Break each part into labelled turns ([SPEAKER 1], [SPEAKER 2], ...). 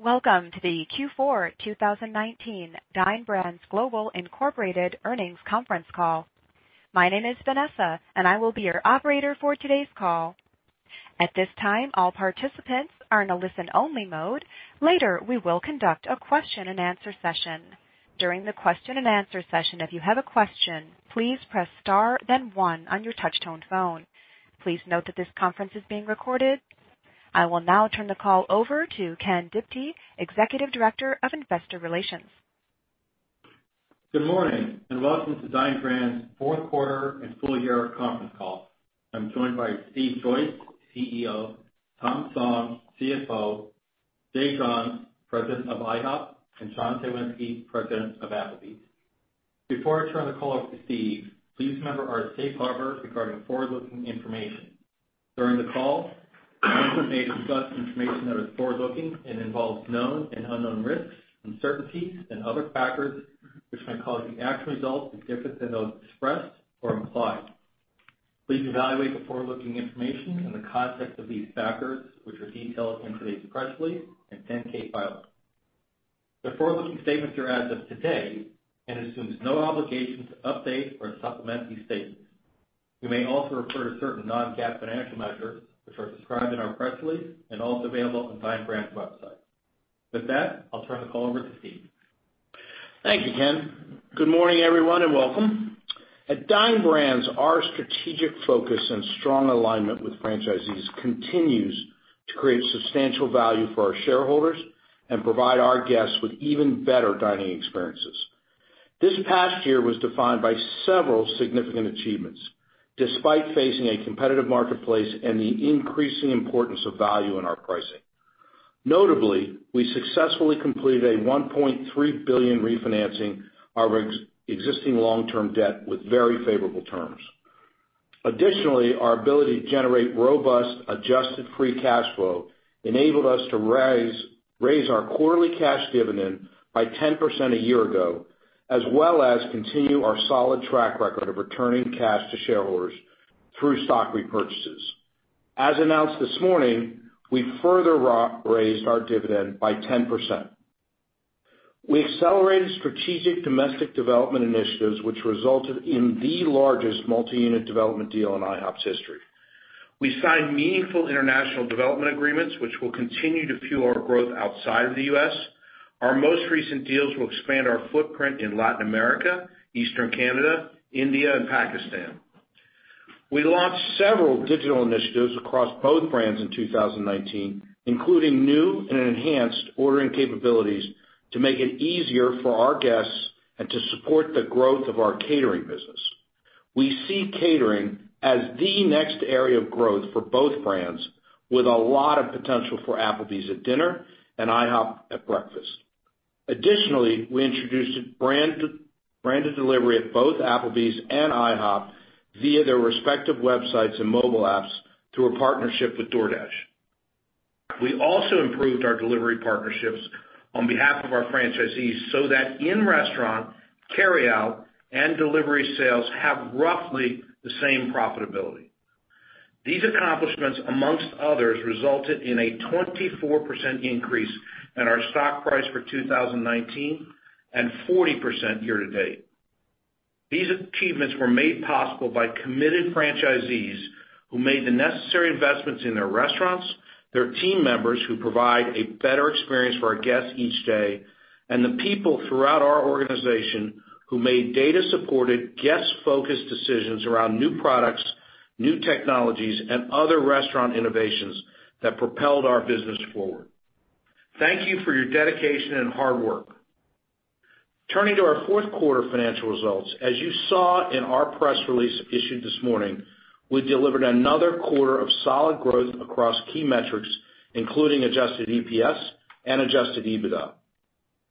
[SPEAKER 1] Welcome to the Q4 2019 Dine Brands Global, Inc. earnings conference call. My name is Vanessa, and I will be your operator for today's call. At this time, all participants are in a listen-only mode. Later, we will conduct a question and answer session. During the question and answer session, if you have a question, please press star then one on your touch-tone phone. Please note that this conference is being recorded. I will now turn the call over to Ken Diptee, Executive Director of Investor Relations.
[SPEAKER 2] Good morning, and welcome to Dine Brands' fourth quarter and full-year conference call. I'm joined by Steve Joyce, CEO, Tom Song, CFO, Jay Johns, President of IHOP, and John Cywinski, President of Applebee's. Before I turn the call over to Steve, please remember our safe harbor regarding forward-looking information. During the call, management may discuss information that is forward-looking and involves known and unknown risks, uncertainties and other factors which may cause the actual results to differ than those expressed or implied. Please evaluate the forward-looking information in the context of these factors, which are detailed in today's press release and 10-K filing. The forward-looking statements are as of today and assumes no obligation to update or supplement these statements. We may also refer to certain non-GAAP financial measures, which are described in our press release and also available on Dine Brands' website. With that, I'll turn the call over to Steve.
[SPEAKER 3] Thank you, Ken. Good morning, everyone. Welcome. At Dine Brands, our strategic focus and strong alignment with franchisees continues to create substantial value for our shareholders and provide our guests with even better dining experiences. This past year was defined by several significant achievements, despite facing a competitive marketplace and the increasing importance of value in our pricing. Notably, we successfully completed a $1.3 billion refinancing our existing long-term debt with very favorable terms. Additionally, our ability to generate robust adjusted free cash flow enabled us to raise our quarterly cash dividend by 10% a year ago, as well as continue our solid track record of returning cash to shareholders through stock repurchases. As announced this morning, we further raised our dividend by 10%. We accelerated strategic domestic development initiatives, which resulted in the largest multi-unit development deal in IHOP's history. We signed meaningful international development agreements, which will continue to fuel our growth outside of the U.S. Our most recent deals will expand our footprint in Latin America, Eastern Canada, India, and Pakistan. We launched several digital initiatives across both brands in 2019, including new and enhanced ordering capabilities to make it easier for our guests and to support the growth of our catering business. We see catering as the next area of growth for both brands with a lot of potential for Applebee's at dinner and IHOP at breakfast. Additionally, we introduced branded delivery at both Applebee's and IHOP via their respective websites and mobile apps through a partnership with DoorDash. We also improved our delivery partnerships on behalf of our franchisees so that in-restaurant carryout and delivery sales have roughly the same profitability. These accomplishments, amongst others, resulted in a 24% increase in our stock price for 2019 and 40% year to date. These achievements were made possible by committed franchisees who made the necessary investments in their restaurants, their team members who provide a better experience for our guests each day, and the people throughout our organization who made data-supported, guest-focused decisions around new products, new technologies, and other restaurant innovations that propelled our business forward. Thank you for your dedication and hard work. Turning to our fourth quarter financial results, as you saw in our press release issued this morning, we delivered another quarter of solid growth across key metrics, including Adjusted EPS and Adjusted EBITDA.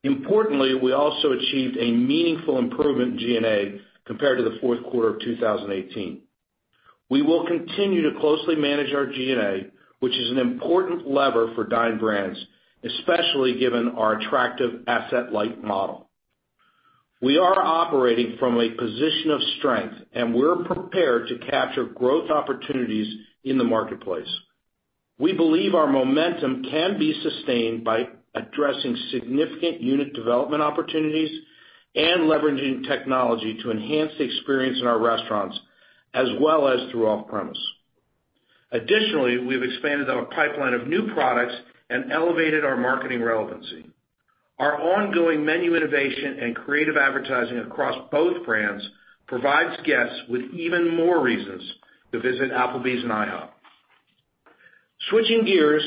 [SPEAKER 3] Importantly, we also achieved a meaningful improvement in G&A compared to the fourth quarter of 2018. We will continue to closely manage our G&A, which is an important lever for Dine Brands, especially given our attractive asset-light model. We are operating from a position of strength, and we're prepared to capture growth opportunities in the marketplace. We believe our momentum can be sustained by addressing significant unit development opportunities and leveraging technology to enhance the experience in our restaurants as well as through off-premise. Additionally, we've expanded our pipeline of new products and elevated our marketing relevancy. Our ongoing menu innovation and creative advertising across both brands provides guests with even more reasons to visit Applebee's and IHOP. Switching gears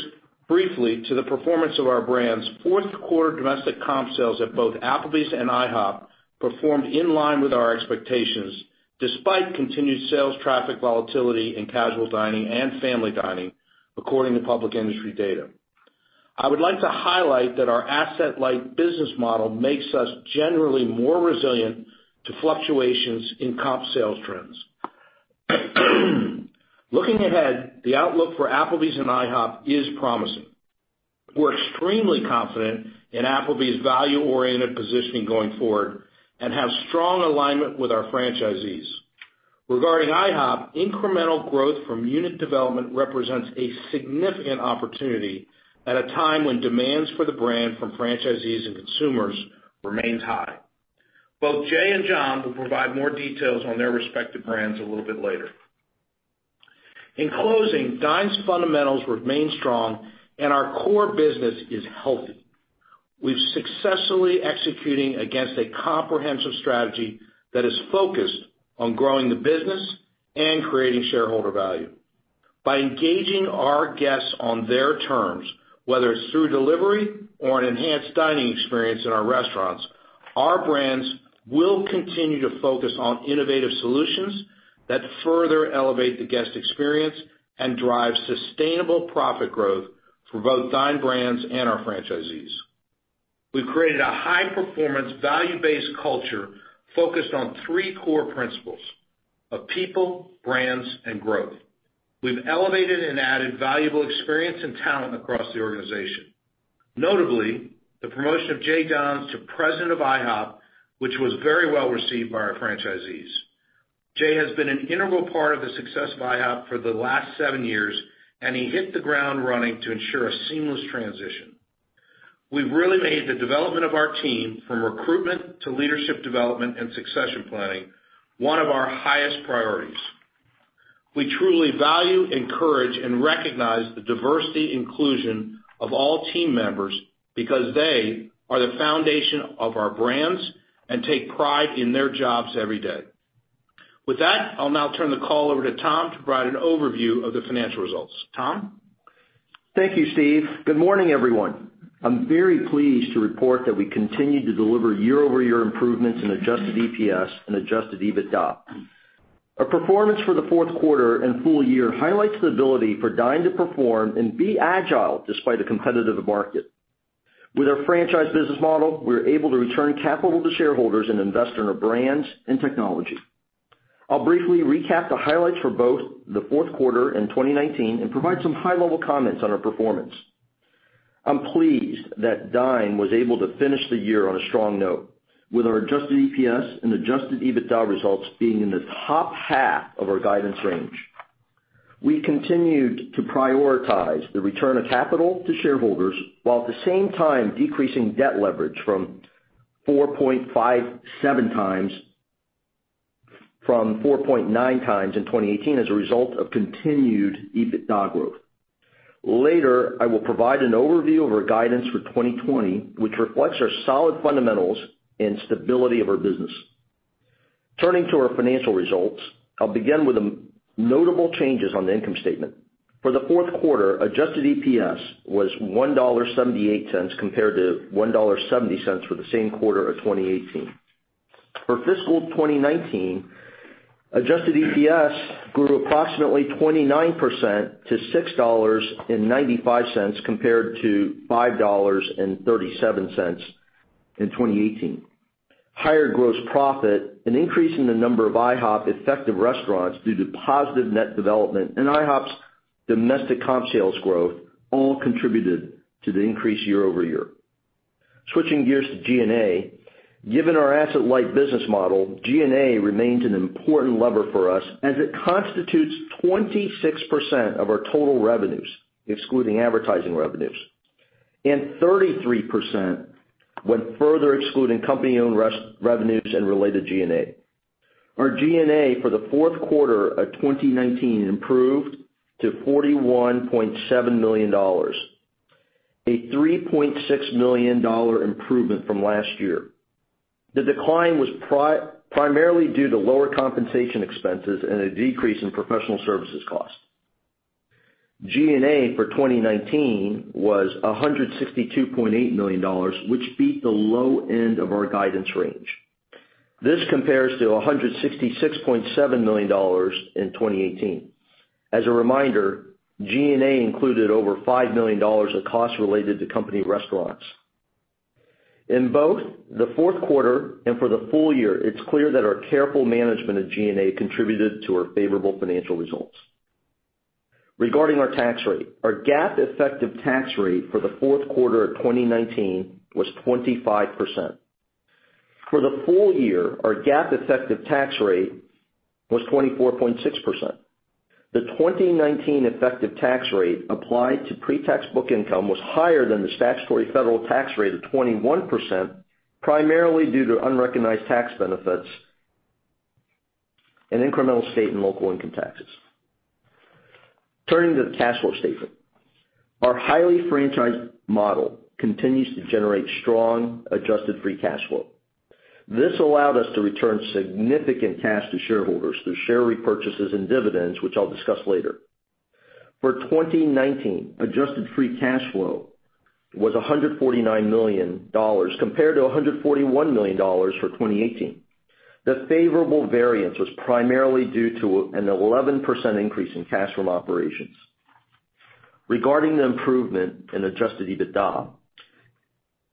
[SPEAKER 3] briefly to the performance of our brands, fourth quarter domestic comp sales at both Applebee's and IHOP performed in line with our expectations, despite continued sales traffic volatility in casual dining and family dining, according to public industry data. I would like to highlight that our asset-light business model makes us generally more resilient to fluctuations in comp sales trends. Looking ahead, the outlook for Applebee's and IHOP is promising. We're extremely confident in Applebee's value-oriented positioning going forward and have strong alignment with our franchisees. Regarding IHOP, incremental growth from unit development represents a significant opportunity at a time when demands for the brand from franchisees and consumers remains high. Both Jay and John will provide more details on their respective brands a little bit later. In closing, Dine's fundamentals remain strong and our core business is healthy. We've successfully executing against a comprehensive strategy that is focused on growing the business and creating shareholder value. By engaging our guests on their terms, whether it's through delivery or an enhanced dining experience in our restaurants, our brands will continue to focus on innovative solutions that further elevate the guest experience and drive sustainable profit growth for both Dine Brands and our franchisees. We've created a high performance, value-based culture focused on three core principles of people, brands, and growth. We've elevated and added valuable experience and talent across the organization. Notably, the promotion of Jay Johns to President of IHOP, which was very well received by our franchisees. Jay has been an integral part of the success of IHOP for the last seven years, and he hit the ground running to ensure a seamless transition. We've really made the development of our team, from recruitment to leadership development and succession planning, one of our highest priorities. We truly value, encourage, and recognize the diversity inclusion of all team members because they are the foundation of our brands and take pride in their jobs every day. With that, I'll now turn the call over to Tom to provide an overview of the financial results. Tom?
[SPEAKER 4] Thank you, Steve. Good morning, everyone. I'm very pleased to report that we continued to deliver year-over-year improvements in Adjusted EPS and Adjusted EBITDA. Our performance for the fourth quarter and full year highlights the ability for Dine to perform and be agile despite a competitive market. With our franchise business model, we are able to return capital to shareholders and invest in our brands and technology. I'll briefly recap the highlights for both the fourth quarter and 2019 and provide some high-level comments on our performance. I'm pleased that Dine was able to finish the year on a strong note with our Adjusted EPS and Adjusted EBITDA results being in the top half of our guidance range. We continued to prioritize the return of capital to shareholders, while at the same time decreasing debt leverage from 4.57 times from 4.9 times in 2018 as a result of continued EBITDA growth. Later, I will provide an overview of our guidance for 2020, which reflects our solid fundamentals and stability of our business. Turning to our financial results, I'll begin with the notable changes on the income statement. For the fourth quarter, Adjusted EPS was $1.78 compared to $1.70 for the same quarter of 2018. For fiscal 2019, Adjusted EPS grew approximately 29% to $6.95 compared to $5.37 in 2018. Higher gross profit, an increase in the number of IHOP effective restaurants due to positive net development, and IHOP's domestic comp sales growth all contributed to the increase year-over-year. Switching gears to G&A. Given our asset-light business model, G&A remains an important lever for us as it constitutes 26% of our total revenues, excluding advertising revenues, and 33% when further excluding company-owned revenues and related G&A. Our G&A for the fourth quarter of 2019 improved to $41.7 million, a $3.6 million improvement from last year. The decline was primarily due to lower compensation expenses and a decrease in professional services cost. G&A for 2019 was $162.8 million, which beat the low end of our guidance range. This compares to $166.7 million in 2018. As a reminder, G&A included over $5 million of costs related to company restaurants. In both the fourth quarter and for the full year, it's clear that our careful management of G&A contributed to our favorable financial results. Regarding our tax rate, our GAAP effective tax rate for the fourth quarter of 2019 was 25%. For the full year, our GAAP effective tax rate was 24.6%. The 2019 effective tax rate applied to pre-tax book income was higher than the statutory federal tax rate of 21%, primarily due to unrecognized tax benefits and incremental state and local income taxes. Turning to the cash flow statement. Our highly franchised model continues to generate strong adjusted free cash flow. This allowed us to return significant cash to shareholders through share repurchases and dividends, which I'll discuss later. For 2019, adjusted free cash flow was $149 million compared to $141 million for 2018. The favorable variance was primarily due to an 11% increase in cash from operations. Regarding the improvement in Adjusted EBITDA,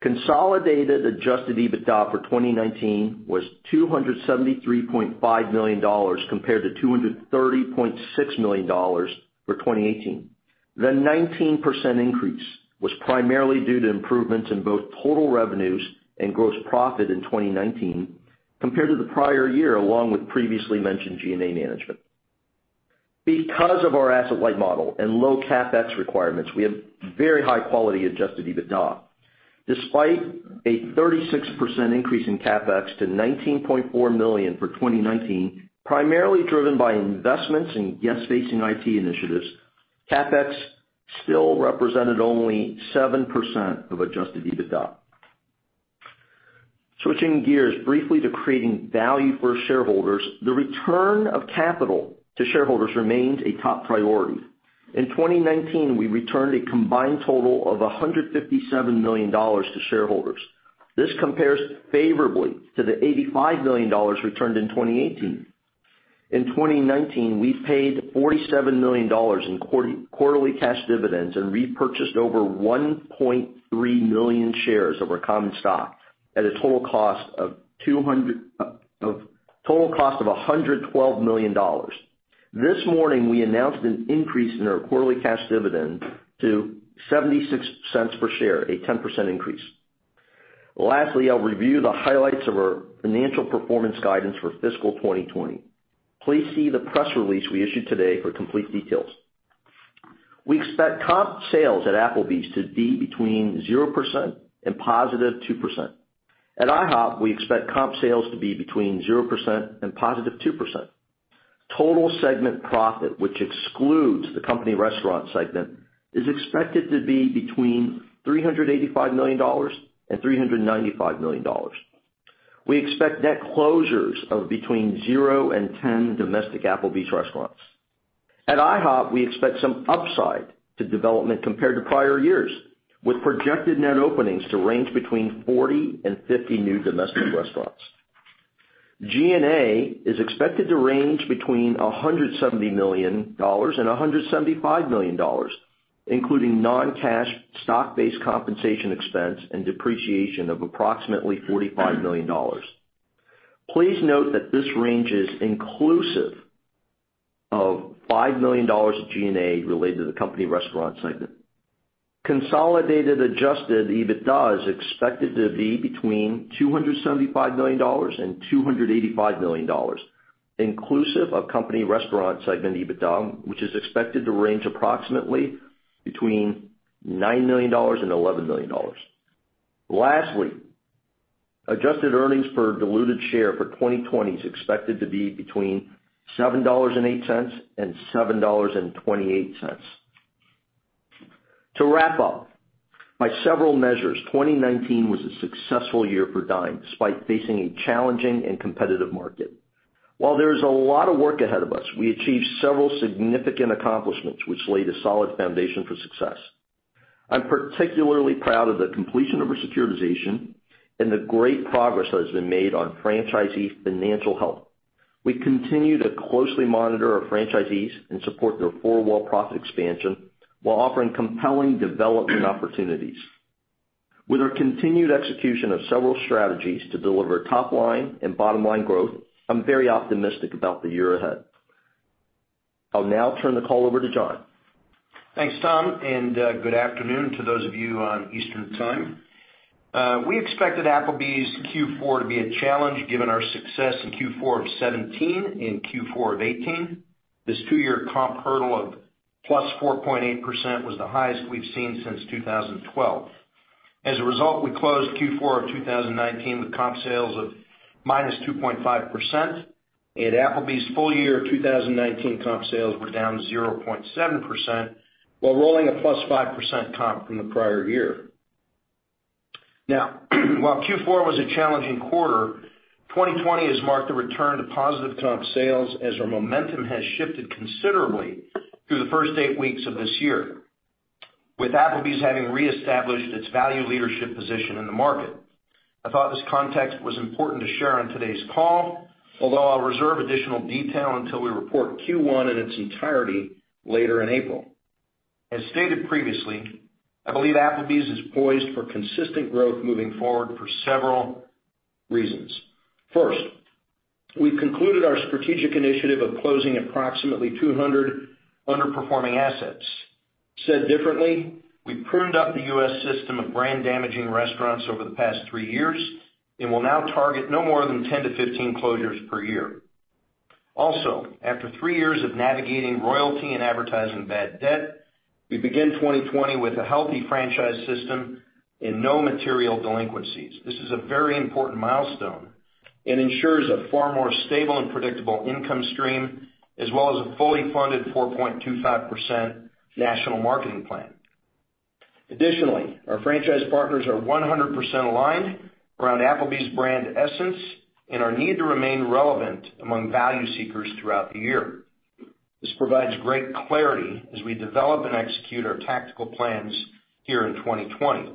[SPEAKER 4] consolidated Adjusted EBITDA for 2019 was $273.5 million compared to $230.6 million for 2018. The 19% increase was primarily due to improvements in both total revenues and gross profit in 2019 compared to the prior year, along with previously mentioned G&A management. Because of our asset-light model and low CapEx requirements, we have very high-quality Adjusted EBITDA. Despite a 36% increase in CapEx to $19.4 million for 2019, primarily driven by investments in guest-facing IT initiatives, CapEx still represented only 7% of Adjusted EBITDA. Switching gears briefly to creating value for shareholders, the return of capital to shareholders remains a top priority. In 2019, we returned a combined total of $157 million to shareholders. This compares favorably to the $85 million returned in 2018. In 2019, we paid $47 million in quarterly cash dividends and repurchased over 1.3 million shares of our common stock at a total cost of $112 million. This morning, we announced an increase in our quarterly cash dividend to $0.76 per share, a 10% increase. I'll review the highlights of our financial performance guidance for fiscal 2020. Please see the press release we issued today for complete details. We expect comp sales at Applebee's to be between 0% and positive 2%. At IHOP, we expect comp sales to be between 0% and positive 2%. Total segment profit, which excludes the company restaurant segment, is expected to be between $385 million and $395 million. We expect net closures of between zero and 10 domestic Applebee's restaurants. At IHOP, we expect some upside to development compared to prior years, with projected net openings to range between 40 and 50 new domestic restaurants. G&A is expected to range between $170 million and $175 million, including non-cash stock-based compensation expense and depreciation of approximately $45 million. Please note that this range is inclusive of $5 million of G&A related to the company restaurant segment. Consolidated Adjusted EBITDA is expected to be between $275 million and $285 million, inclusive of company restaurant segment EBITDA, which is expected to range approximately between $9 million and $11 million. Lastly, Adjusted earnings per diluted share for 2020 is expected to be between $7.08 and $7.28. To wrap up, by several measures, 2019 was a successful year for Dine despite facing a challenging and competitive market. While there is a lot of work ahead of us, we achieved several significant accomplishments which laid a solid foundation for success. I'm particularly proud of the completion of our securitization and the great progress that has been made on franchisee financial health. We continue to closely monitor our franchisees and support their four-wall profit expansion while offering compelling development opportunities. With our continued execution of several strategies to deliver top-line and bottom-line growth, I'm very optimistic about the year ahead. I'll now turn the call over to John.
[SPEAKER 5] Thanks, Tom. Good afternoon to those of you on Eastern Time. We expected Applebee's Q4 to be a challenge given our success in Q4 of 2017 and Q4 of 2018. This two-year comp hurdle of +4.8% was the highest we've seen since 2012. As a result, we closed Q4 of 2019 with comp sales of -2.5%, and Applebee's full year of 2019 comp sales were down 0.7%, while rolling a +5% comp from the prior year. While Q4 was a challenging quarter, 2020 has marked a return to positive comp sales as our momentum has shifted considerably through the first eight weeks of this year, with Applebee's having reestablished its value leadership position in the market. I thought this context was important to share on today's call, although I'll reserve additional detail until we report Q1 in its entirety later in April. As stated previously, I believe Applebee's is poised for consistent growth moving forward for several reasons. First, we've concluded our strategic initiative of closing approximately 200 underperforming assets. Said differently, we've pruned up the U.S. system of brand-damaging restaurants over the past three years and will now target no more than 10-15 closures per year. Also, after three years of navigating royalty and advertising bad debt, we begin 2020 with a healthy franchise system and no material delinquencies. This is a very important milestone. It ensures a far more stable and predictable income stream, as well as a fully funded 4.25% national marketing plan. Additionally, our franchise partners are 100% aligned around Applebee's brand essence and our need to remain relevant among value seekers throughout the year. This provides great clarity as we develop and execute our tactical plans here in 2020.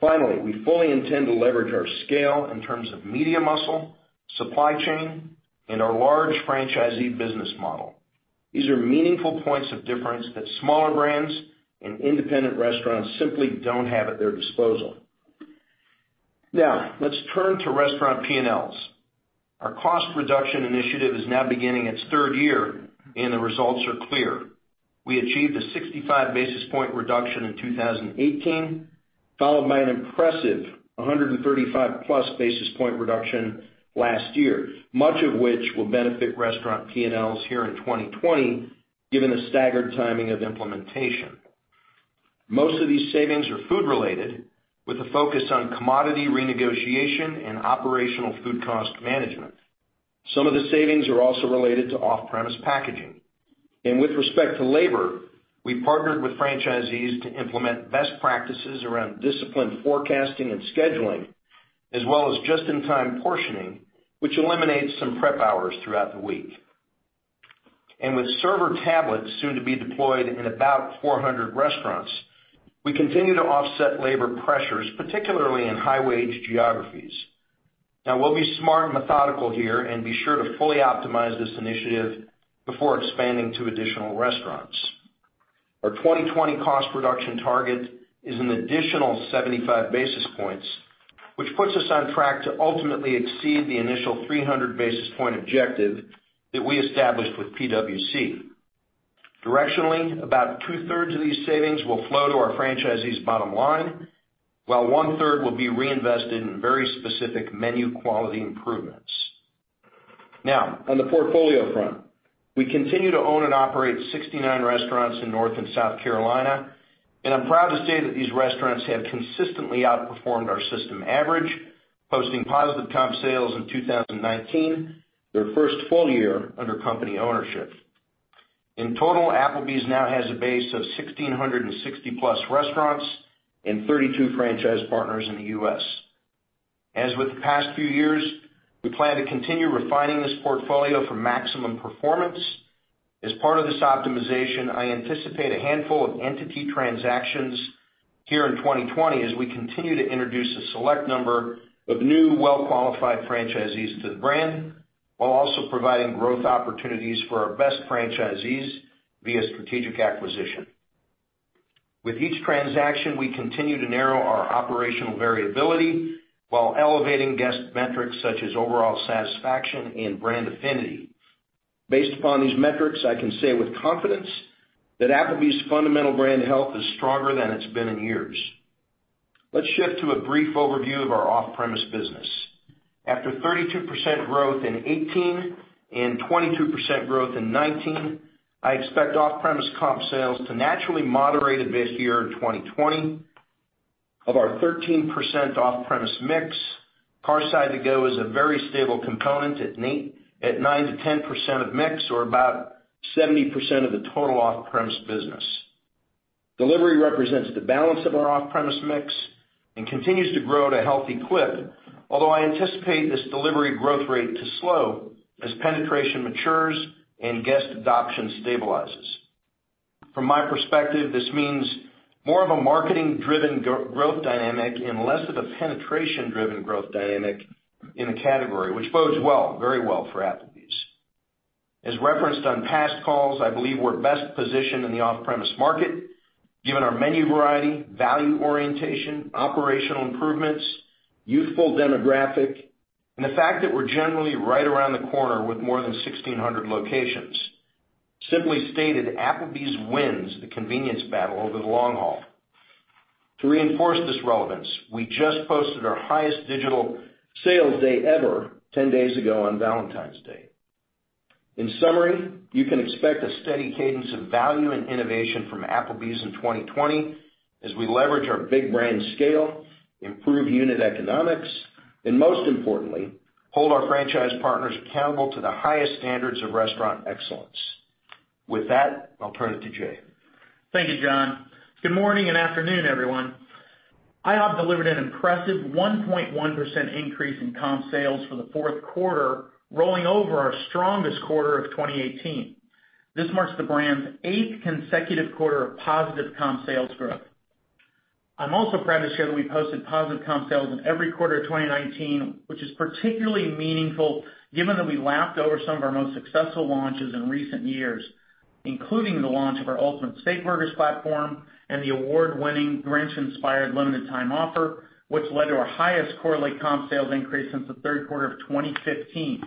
[SPEAKER 5] Finally, we fully intend to leverage our scale in terms of media muscle, supply chain, and our large franchisee business model. These are meaningful points of difference that smaller brands and independent restaurants simply don't have at their disposal. Now, let's turn to restaurant P&Ls. Our cost reduction initiative is now beginning its third year, and the results are clear. We achieved a 65 basis point reduction in 2018, followed by an impressive 135-plus basis point reduction last year, much of which will benefit restaurant P&Ls here in 2020, given the staggered timing of implementation. Most of these savings are food related, with a focus on commodity renegotiation and operational food cost management. Some of the savings are also related to off-premise packaging. With respect to labor, we partnered with franchisees to implement best practices around disciplined forecasting and scheduling, as well as just-in-time portioning, which eliminates some prep hours throughout the week. With server tablets soon to be deployed in about 400 restaurants, we continue to offset labor pressures, particularly in high-wage geographies. Now, we'll be smart and methodical here and be sure to fully optimize this initiative before expanding to additional restaurants. Our 2020 cost reduction target is an additional 75 basis points, which puts us on track to ultimately exceed the initial 300 basis point objective that we established with PwC. Directionally, about two-thirds of these savings will flow to our franchisees' bottom line, while one-third will be reinvested in very specific menu quality improvements. Now, on the portfolio front. We continue to own and operate 69 restaurants in North and South Carolina, and I'm proud to say that these restaurants have consistently outperformed our system average, posting positive comp sales in 2019, their first full year under company ownership. In total, Applebee's now has a base of 1,660-plus restaurants and 32 franchise partners in the U.S. As with the past few years, we plan to continue refining this portfolio for maximum performance. As part of this optimization, I anticipate a handful of entity transactions here in 2020 as we continue to introduce a select number of new, well-qualified franchisees to the brand, while also providing growth opportunities for our best franchisees via strategic acquisition. With each transaction, we continue to narrow our operational variability while elevating guest metrics such as overall satisfaction and brand affinity. Based upon these metrics, I can say with confidence that Applebee's fundamental brand health is stronger than it's been in years. Let's shift to a brief overview of our off-premise business. After 32% growth in 2018 and 22% growth in 2019, I expect off-premise comp sales to naturally moderate a bit here in 2020. Of our 13% off-premise mix, Carside To Go is a very stable component at 9%-10% of mix, or about 70% of the total off-premise business. Delivery represents the balance of our off-premise mix and continues to grow at a healthy clip. Although I anticipate this delivery growth rate to slow as penetration matures and guest adoption stabilizes. From my perspective, this means more of a marketing-driven growth dynamic and less of a penetration-driven growth dynamic in the category, which bodes well, very well for Applebee's. As referenced on past calls, I believe we're best positioned in the off-premise market given our menu variety, value orientation, operational improvements, youthful demographic, and the fact that we're generally right around the corner with more than 1,600 locations. Simply stated, Applebee's wins the convenience battle over the long haul. To reinforce this relevance, we just posted our highest digital sales day ever 10 days ago on Valentine's Day. In summary, you can expect a steady cadence of value and innovation from Applebee's in 2020 as we leverage our big brand scale, improve unit economics, and most importantly, hold our franchise partners accountable to the highest standards of restaurant excellence. With that, I'll turn it to Jay.
[SPEAKER 6] Thank you, John. Good morning and afternoon, everyone. IHOP delivered an impressive 1.1% increase in comp sales for the fourth quarter, rolling over our strongest quarter of 2018. This marks the brand's eighth consecutive quarter of positive comp sales growth. I'm also proud to share that we posted positive comp sales in every quarter of 2019, which is particularly meaningful given that we lapped over some of our most successful launches in recent years, including the launch of our Ultimate Steakburgers platform and the award-winning Grinch-inspired limited time offer, which led to our highest quarterly comp sales increase since the third quarter of 2015.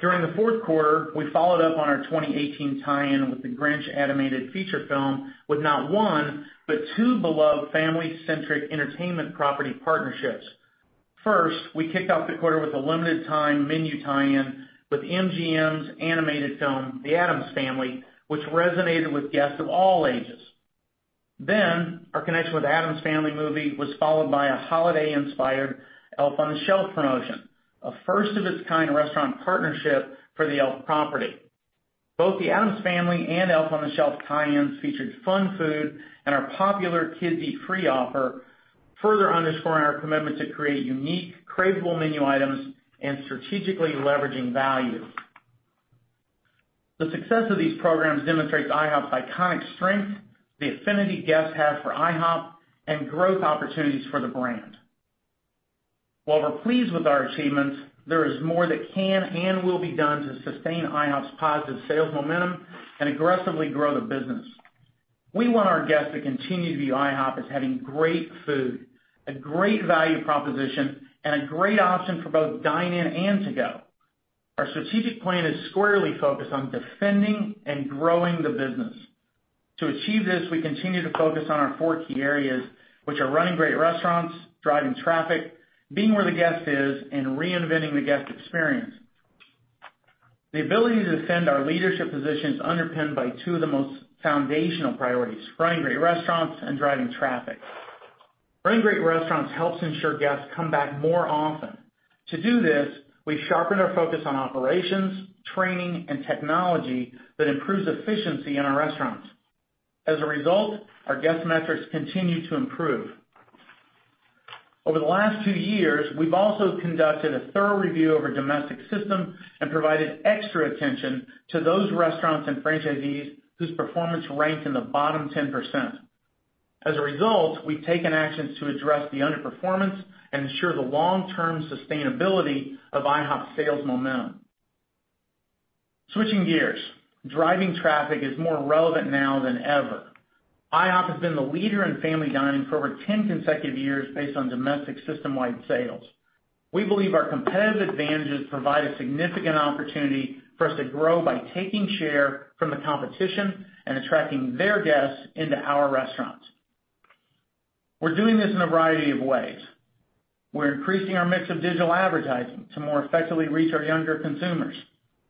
[SPEAKER 6] During the fourth quarter, we followed up on our 2018 tie-in with the Grinch animated feature film with not one, but two beloved family-centric entertainment property partnerships. First, we kicked off the quarter with a limited time menu tie-in with MGM's animated film, "The Addams Family," which resonated with guests of all ages. Our connection with The Addams Family movie was followed by a holiday-inspired Elf on the Shelf promotion, a first-of-its-kind restaurant partnership for the Elf property. Both The Addams Family and Elf on the Shelf tie-ins featured fun food and our popular Kids Eat Free offer, further underscoring our commitment to create unique, craveable menu items and strategically leveraging value. The success of these programs demonstrates IHOP's iconic strength, the affinity guests have for IHOP, and growth opportunities for the brand. We're pleased with our achievements, there is more that can and will be done to sustain IHOP's positive sales momentum and aggressively grow the business. We want our guests to continue to view IHOP as having great food, a great value proposition, and a great option for both dine-in and to-go. Our strategic plan is squarely focused on defending and growing the business. To achieve this, we continue to focus on our four key areas, which are running great restaurants, driving traffic, being where the guest is, and reinventing the guest experience. The ability to defend our leadership position is underpinned by two of the most foundational priorities, running great restaurants and driving traffic. Running great restaurants helps ensure guests come back more often. To do this, we've sharpened our focus on operations, training, and technology that improves efficiency in our restaurants. As a result, our guest metrics continue to improve. Over the last two years, we've also conducted a thorough review of our domestic system and provided extra attention to those restaurants and franchisees whose performance ranked in the bottom 10%. As a result, we've taken actions to address the underperformance and ensure the long-term sustainability of IHOP's sales momentum. Switching gears, driving traffic is more relevant now than ever. IHOP has been the leader in family dining for over 10 consecutive years based on domestic system-wide sales. We believe our competitive advantages provide a significant opportunity for us to grow by taking share from the competition and attracting their guests into our restaurants. We're doing this in a variety of ways. We're increasing our mix of digital advertising to more effectively reach our younger consumers.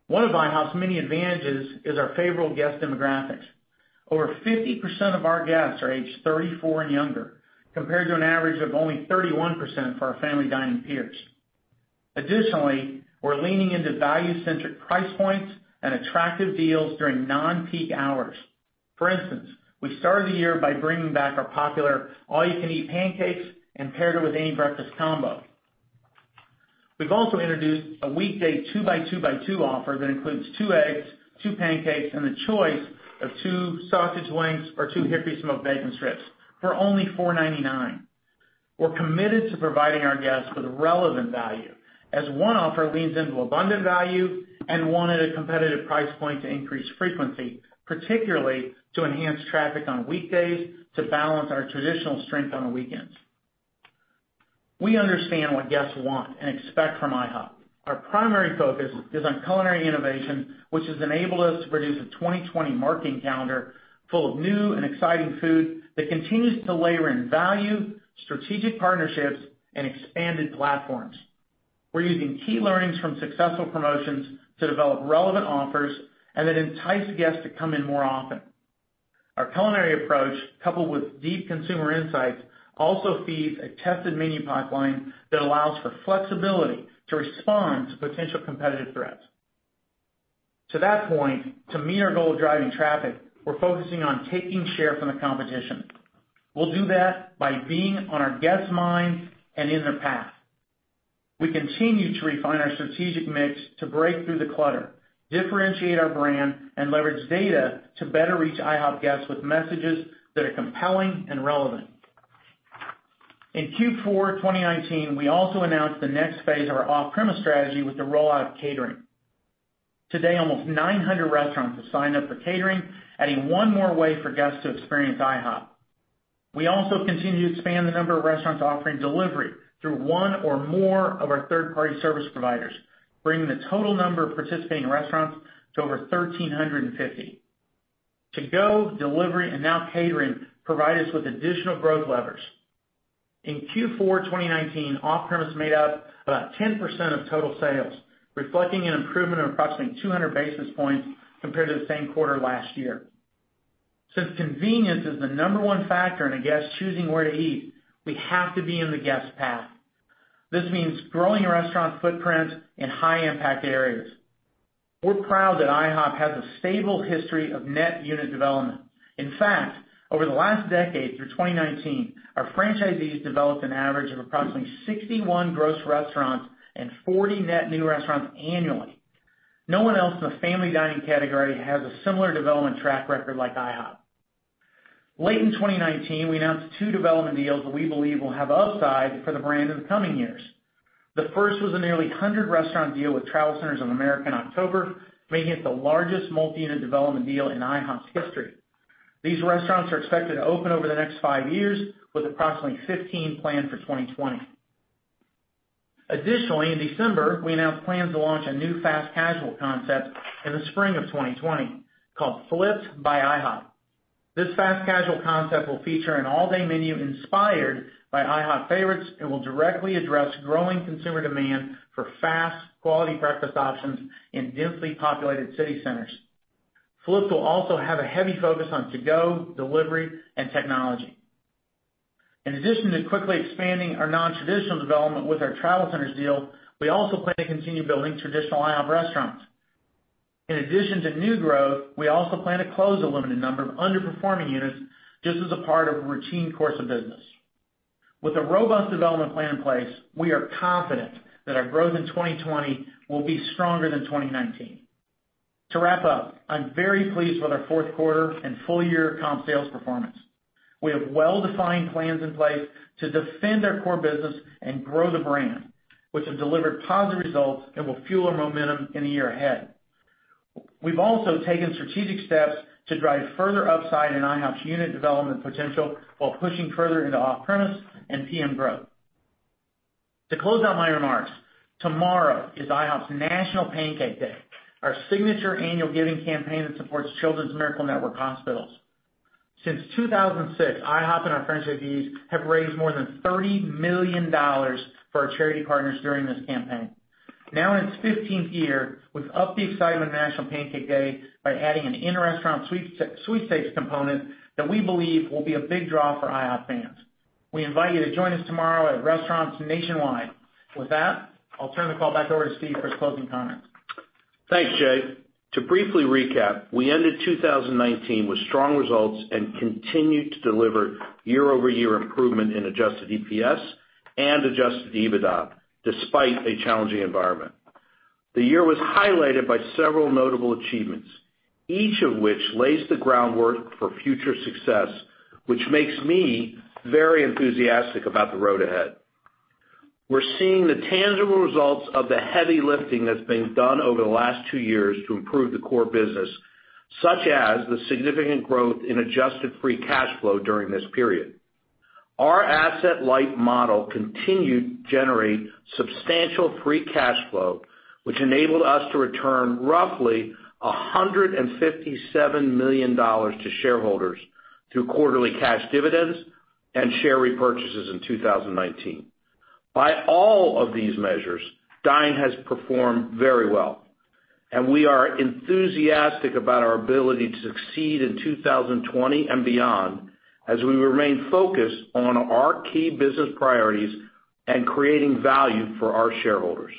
[SPEAKER 6] One of IHOP's many advantages is our favorable guest demographics. Over 50% of our guests are aged 34 and younger, compared to an average of only 31% for our family dining peers. Additionally, we're leaning into value-centric price points and attractive deals during non-peak hours. For instance, we started the year by bringing back our popular all-you-can-eat pancakes and paired it with any breakfast combo. We've also introduced a weekday two by two by two offer that includes two eggs, two pancakes, and the choice of two sausage links or two hickory-smoked bacon strips for only $4.99. We're committed to providing our guests with relevant value, as one offer leans into abundant value and one at a competitive price point to increase frequency, particularly to enhance traffic on weekdays to balance our traditional strength on the weekends. We understand what guests want and expect from IHOP. Our primary focus is on culinary innovation, which has enabled us to produce a 2020 marketing calendar full of new and exciting food that continues to layer in value, strategic partnerships, and expanded platforms. We're using key learnings from successful promotions to develop relevant offers and that entice guests to come in more often. Our culinary approach, coupled with deep consumer insights, also feeds a tested menu pipeline that allows for flexibility to respond to potential competitive threats. To that point, to meet our goal of driving traffic, we're focusing on taking share from the competition. We'll do that by being on our guests' minds and in their path. We continue to refine our strategic mix to break through the clutter, differentiate our brand, and leverage data to better reach IHOP guests with messages that are compelling and relevant. In Q4 2019, we also announced the next phase of our off-premise strategy with the rollout of catering. Today, almost 900 restaurants have signed up for catering, adding one more way for guests to experience IHOP. We also continue to expand the number of restaurants offering delivery through one or more of our third-party service providers, bringing the total number of participating restaurants to over 1,350. To-go, delivery, and now catering provide us with additional growth levers. In Q4 2019, off-premise made up about 10% of total sales, reflecting an improvement of approximately 200 basis points compared to the same quarter last year. Since convenience is the number one factor in a guest choosing where to eat, we have to be in the guest's path. This means growing restaurant footprints in high impact areas. We're proud that IHOP has a stable history of net unit development. In fact, over the last decade through 2019, our franchisees developed an average of approximately 61 gross restaurants and 40 net new restaurants annually. No one else in the family dining category has a similar development track record like IHOP. Late in 2019, we announced two development deals that we believe will have upside for the brand in the coming years. The first was a nearly 100-restaurant deal with Travel Centers of America in October, making it the largest multi-unit development deal in IHOP's history. These restaurants are expected to open over the next five years with approximately 15 planned for 2020. Additionally, in December, we announced plans to launch a new fast casual concept in the spring of 2020 called Flip'd by IHOP. This fast casual concept will feature an all-day menu inspired by IHOP favorites and will directly address growing consumer demand for fast, quality breakfast options in densely populated city centers. Flip will also have a heavy focus on to-go, delivery, and technology. In addition to quickly expanding our non-traditional development with our Travel Centers deal, we also plan to continue building traditional IHOP restaurants. In addition to new growth, we also plan to close a limited number of underperforming units just as a part of a routine course of business. With a robust development plan in place, we are confident that our growth in 2020 will be stronger than 2019. To wrap up, I'm very pleased with our fourth quarter and full year comp sales performance. We have well-defined plans in place to defend our core business and grow the brand, which have delivered positive results and will fuel our momentum in the year ahead. We've also taken strategic steps to drive further upside in IHOP's unit development potential while pushing further into off-premise and PM growth. To close out my remarks, tomorrow is IHOP's National Pancake Day, our signature annual giving campaign that supports Children's Miracle Network Hospitals. Since 2006, IHOP and our franchisees have raised more than $30 million for our charity partners during this campaign. Now in its 15th year, we've upped the excitement of National Pancake Day by adding an in-restaurant sweepstakes component that we believe will be a big draw for IHOP fans. We invite you to join us tomorrow at restaurants nationwide. With that, I'll turn the call back over to Steve for his closing comments.
[SPEAKER 3] Thanks, Jay. To briefly recap, we ended 2019 with strong results and continued to deliver year-over-year improvement in Adjusted EPS and Adjusted EBITDA, despite a challenging environment. The year was highlighted by several notable achievements, each of which lays the groundwork for future success, which makes me very enthusiastic about the road ahead. We're seeing the tangible results of the heavy lifting that's been done over the last two years to improve the core business, such as the significant growth in adjusted free cash flow during this period. Our asset-light model continued to generate substantial free cash flow, which enabled us to return roughly $157 million to shareholders through quarterly cash dividends and share repurchases in 2019. By all of these measures, Dine has performed very well, and we are enthusiastic about our ability to succeed in 2020 and beyond as we remain focused on our key business priorities and creating value for our shareholders.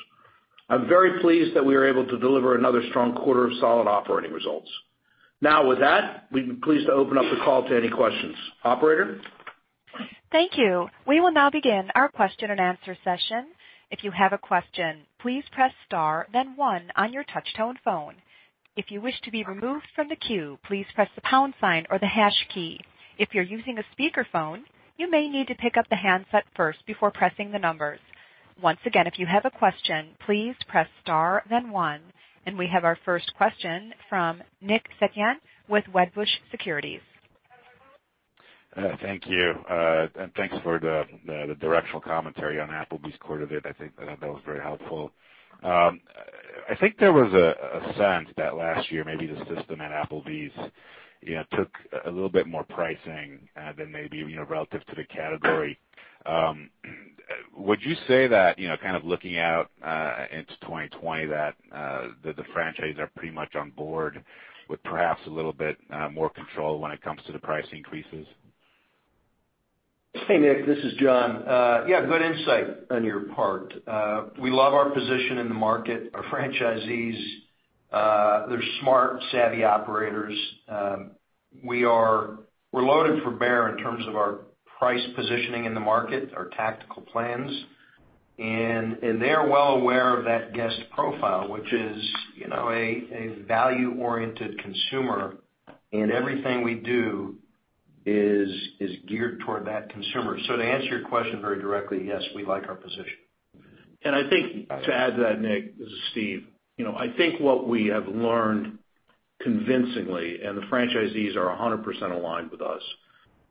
[SPEAKER 3] I'm very pleased that we were able to deliver another strong quarter of solid operating results. Now with that, we'd be pleased to open up the call to any questions. Operator?
[SPEAKER 1] Thank you. We will now begin our question and answer session. If you have a question, please press star then one on your touch tone phone. If you wish to be removed from the queue, please press the pound sign or the hash key. If you're using a speakerphone, you may need to pick up the handset first before pressing the numbers. Once again, if you have a question, please press star then one. We have our first question from Nick Setyan with Wedbush Securities.
[SPEAKER 7] Thank you. Thanks for the directional commentary on Applebee's quarter date. I think that was very helpful. I think there was a sense that last year maybe the system at Applebee's took a little bit more pricing than maybe relative to the category. Would you say that, kind of looking out into 2020, that the franchises are pretty much on board with perhaps a little bit more control when it comes to the price increases?
[SPEAKER 5] Hey, Nick, this is John. Yeah, good insight on your part. We love our position in the market. Our franchisees, they're smart, savvy operators. We're loaded for bear in terms of our price positioning in the market, our tactical plans, and they are well aware of that guest profile, which is a value-oriented consumer, and everything we do is geared toward that consumer. To answer your question very directly, yes, we like our position.
[SPEAKER 3] I think to add to that, Nick, this is Steve. I think what we have learned convincingly, and the franchisees are 100% aligned with us,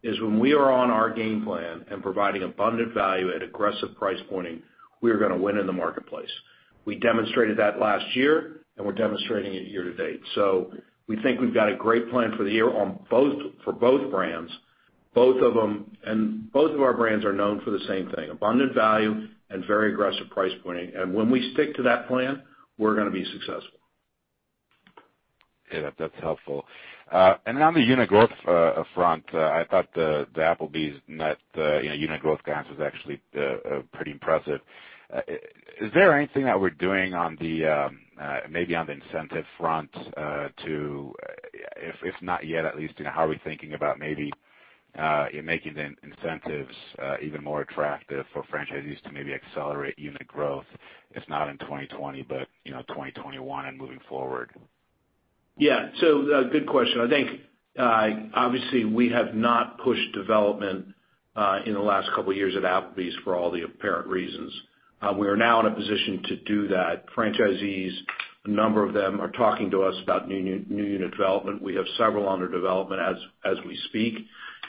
[SPEAKER 3] is when we are on our game plan and providing abundant value at aggressive price pointing, we are going to win in the marketplace. We demonstrated that last year, and we're demonstrating it year to date. We think we've got a great plan for the year for both brands. Both of our brands are known for the same thing, abundant value and very aggressive price pointing. When we stick to that plan, we're going to be successful.
[SPEAKER 7] Yeah, that's helpful. On the unit growth front, I thought the Applebee's net unit growth guidance was actually pretty impressive. Is there anything that we're doing maybe on the incentive front to, if not yet at least, how are we thinking about maybe making the incentives even more attractive for franchisees to maybe accelerate unit growth, if not in 2020, but 2021 and moving forward?
[SPEAKER 3] Good question. I think obviously we have not pushed development in the last couple of years at Applebee's for all the apparent reasons. We are now in a position to do that. Franchisees, a number of them are talking to us about new unit development. We have several under development as we speak.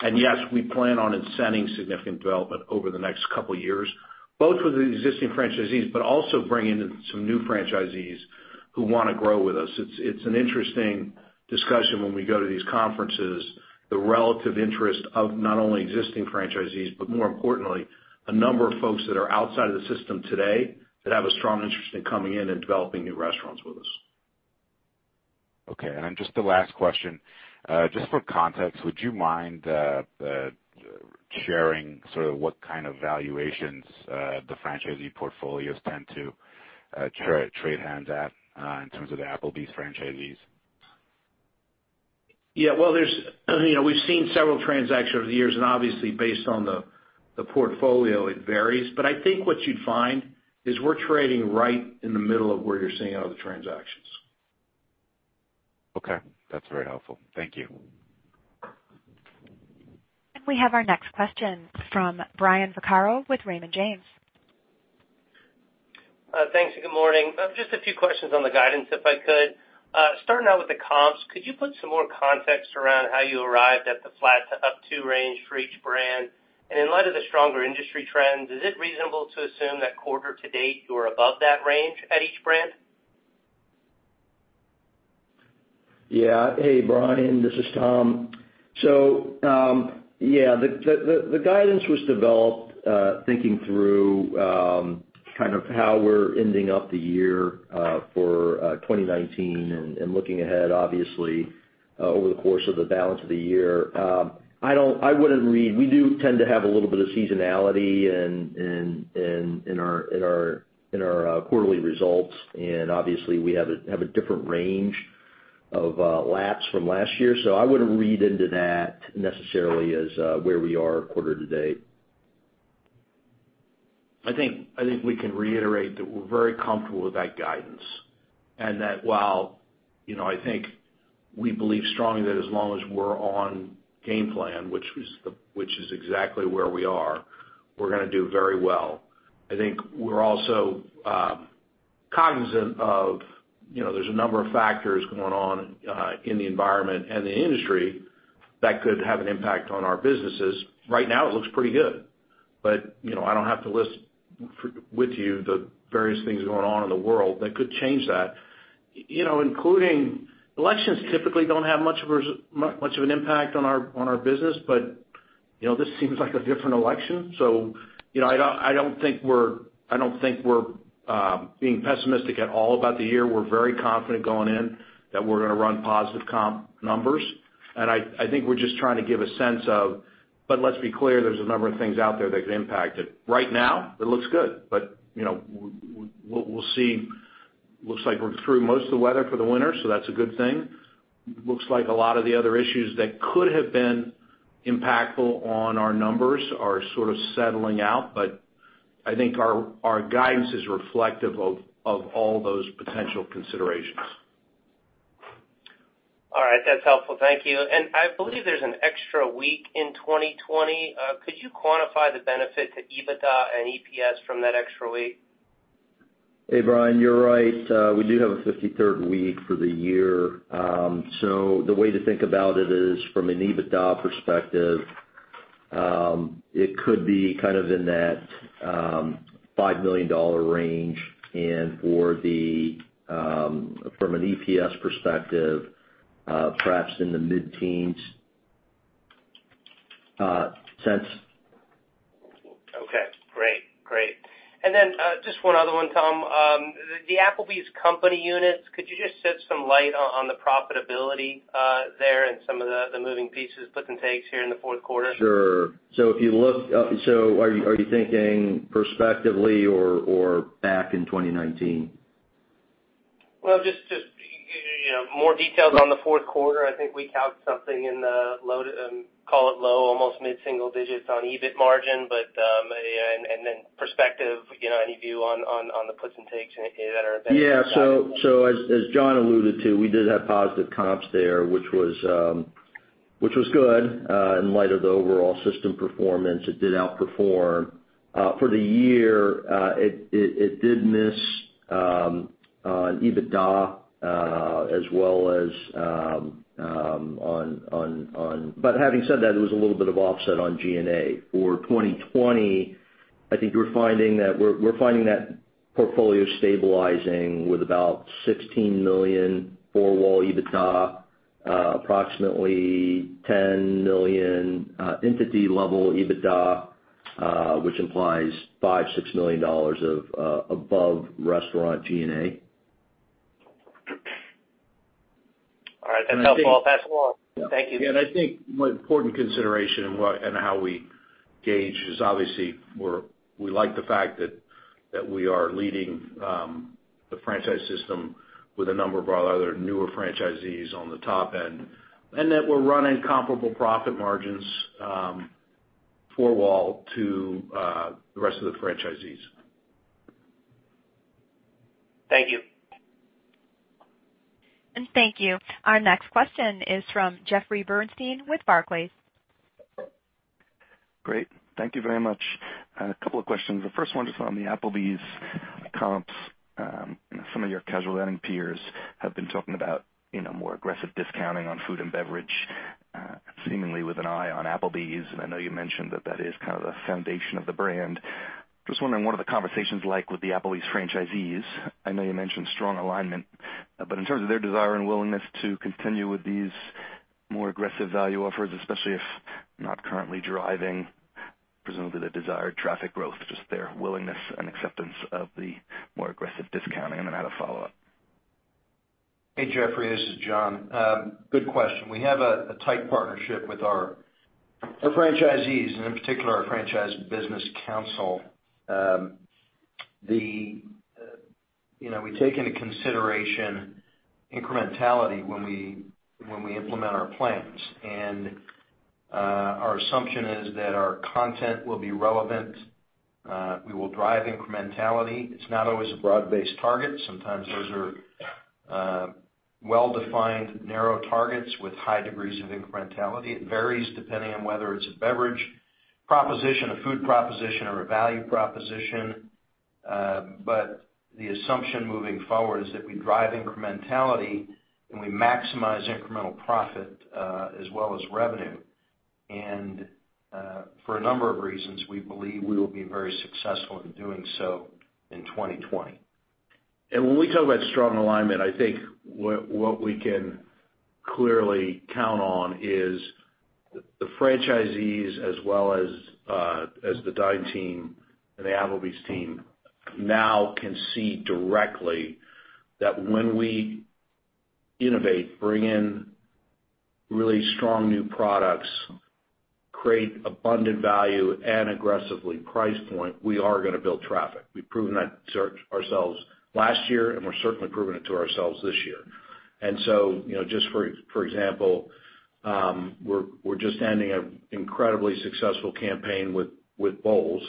[SPEAKER 3] Yes, we plan on incenting significant development over the next couple of years, both with the existing franchisees, but also bringing in some new franchisees who want to grow with us. It's an interesting discussion when we go to these conferences, the relative interest of not only existing franchisees, but more importantly, a number of folks that are outside of the system today that have a strong interest in coming in and developing new restaurants with us.
[SPEAKER 7] Just the last question. Just for context, would you mind sharing sort of what kind of valuations the franchisee portfolios tend to trade hands at in terms of the Applebee's franchisees?
[SPEAKER 3] Yeah. Well, we've seen several transactions over the years, and obviously based on the portfolio, it varies. I think what you'd find is we're trading right in the middle of where you're seeing other transactions.
[SPEAKER 7] Okay. That's very helpful. Thank you.
[SPEAKER 1] We have our next question from Brian Vaccaro with Raymond James.
[SPEAKER 8] Thanks, good morning. Just a few questions on the guidance, if I could. Starting out with the comps, could you put some more context around how you arrived at the flat to up two range for each brand? In light of the stronger industry trends, is it reasonable to assume that quarter to date you are above that range at each brand?
[SPEAKER 4] Hey, Brian, this is Tom. The guidance was developed, thinking through how we're ending up the year for 2019 and looking ahead, obviously, over the course of the balance of the year. We do tend to have a little bit of seasonality in our quarterly results, and obviously, we have a different range of laps from last year. I wouldn't read into that necessarily as where we are quarter to date.
[SPEAKER 3] I think we can reiterate that we're very comfortable with that guidance, and that while I think we believe strongly that as long as we're on game plan, which is exactly where we are, we're going to do very well. I think we're also cognizant of there's a number of factors going on in the environment and the industry that could have an impact on our businesses. Right now, it looks pretty good. I don't have to list with you the various things going on in the world that could change that. Including elections typically don't have much of an impact on our business, but this seems like a different election. I don't think we're being pessimistic at all about the year. We're very confident going in that we're going to run positive comp numbers, and I think we're just trying to give a sense of, but let's be clear, there's a number of things out there that could impact it. Right now, it looks good, but we'll see. Looks like we're through most of the weather for the winter, so that's a good thing. Looks like a lot of the other issues that could have been impactful on our numbers are sort of settling out, but I think our guidance is reflective of all those potential considerations.
[SPEAKER 8] All right. That's helpful. Thank you. I believe there's an extra week in 2020. Could you quantify the benefit to EBITDA and EPS from that extra week?
[SPEAKER 4] Hey, Brian, you're right. We do have a 53rd week for the year. The way to think about it is, from an EBITDA perspective, it could be in that $5 million range, and from an EPS perspective, perhaps in the mid-teens sense.
[SPEAKER 8] Okay. Great. Just one other one, Tom. The Applebee's company units, could you just shed some light on the profitability there and some of the moving pieces, puts and takes here in the fourth quarter?
[SPEAKER 4] Sure. Are you thinking perspectively or back in 2019?
[SPEAKER 8] Well, just more details on the fourth quarter. I think we count something in the, call it low, almost mid-single digits on EBIT margin. Perspective, any view on the puts and takes?
[SPEAKER 4] As John alluded to, we did have positive comps there, which was good in light of the overall system performance. It did outperform. For the year, it did miss on EBITDA. Having said that, it was a little bit of offset on G&A. For 2020, I think we're finding that portfolio stabilizing with about $16 million four-wall EBITDA, approximately $10 million entity level EBITDA, which implies $5 million-$6 million of above restaurant G&A.
[SPEAKER 8] All right. That's helpful. I'll pass it along. Thank you.
[SPEAKER 4] Yeah, I think one important consideration in how we gauge is obviously we like the fact that we are leading the franchise system with a number of our other newer franchisees on the top end, and that we're running comparable profit margins, four-wall, to the rest of the franchisees.
[SPEAKER 8] Thank you.
[SPEAKER 1] Thank you. Our next question is from Jeffrey Bernstein with Barclays.
[SPEAKER 9] Great. Thank you very much. A couple of questions. The first one, just on the Applebee's comps. Some of your casual dining peers have been talking about more aggressive discounting on food and beverage, seemingly with an eye on Applebee's. I know you mentioned that that is kind of the foundation of the brand. Just wondering, what are the conversations like with the Applebee's franchisees? I know you mentioned strong alignment, in terms of their desire and willingness to continue with these more aggressive value offers, especially if not currently driving, presumably, the desired traffic growth, just their willingness and acceptance of the more aggressive discounting. I had a follow-up.
[SPEAKER 5] Hey, Jeffrey, this is John. Good question. We have a tight partnership with our franchisees, and in particular, our Franchise Business Council. The We take into consideration incrementality when we implement our plans. Our assumption is that our content will be relevant, we will drive incrementality. It's not always a broad-based target. Sometimes those are well-defined narrow targets with high degrees of incrementality. It varies depending on whether it's a beverage proposition, a food proposition, or a value proposition. The assumption moving forward is that we drive incrementality, and we maximize incremental profit, as well as revenue. For a number of reasons, we believe we will be very successful in doing so in 2020.
[SPEAKER 3] When we talk about strong alignment, I think what we can clearly count on is the franchisees as well as the Dine team and the Applebee's team now can see directly that when we innovate, bring in really strong new products, create abundant value and aggressively price point, we are going to build traffic. We've proven that to ourselves last year, and we're certainly proving it to ourselves this year. Just for example, we're just ending an incredibly successful campaign with Bowls,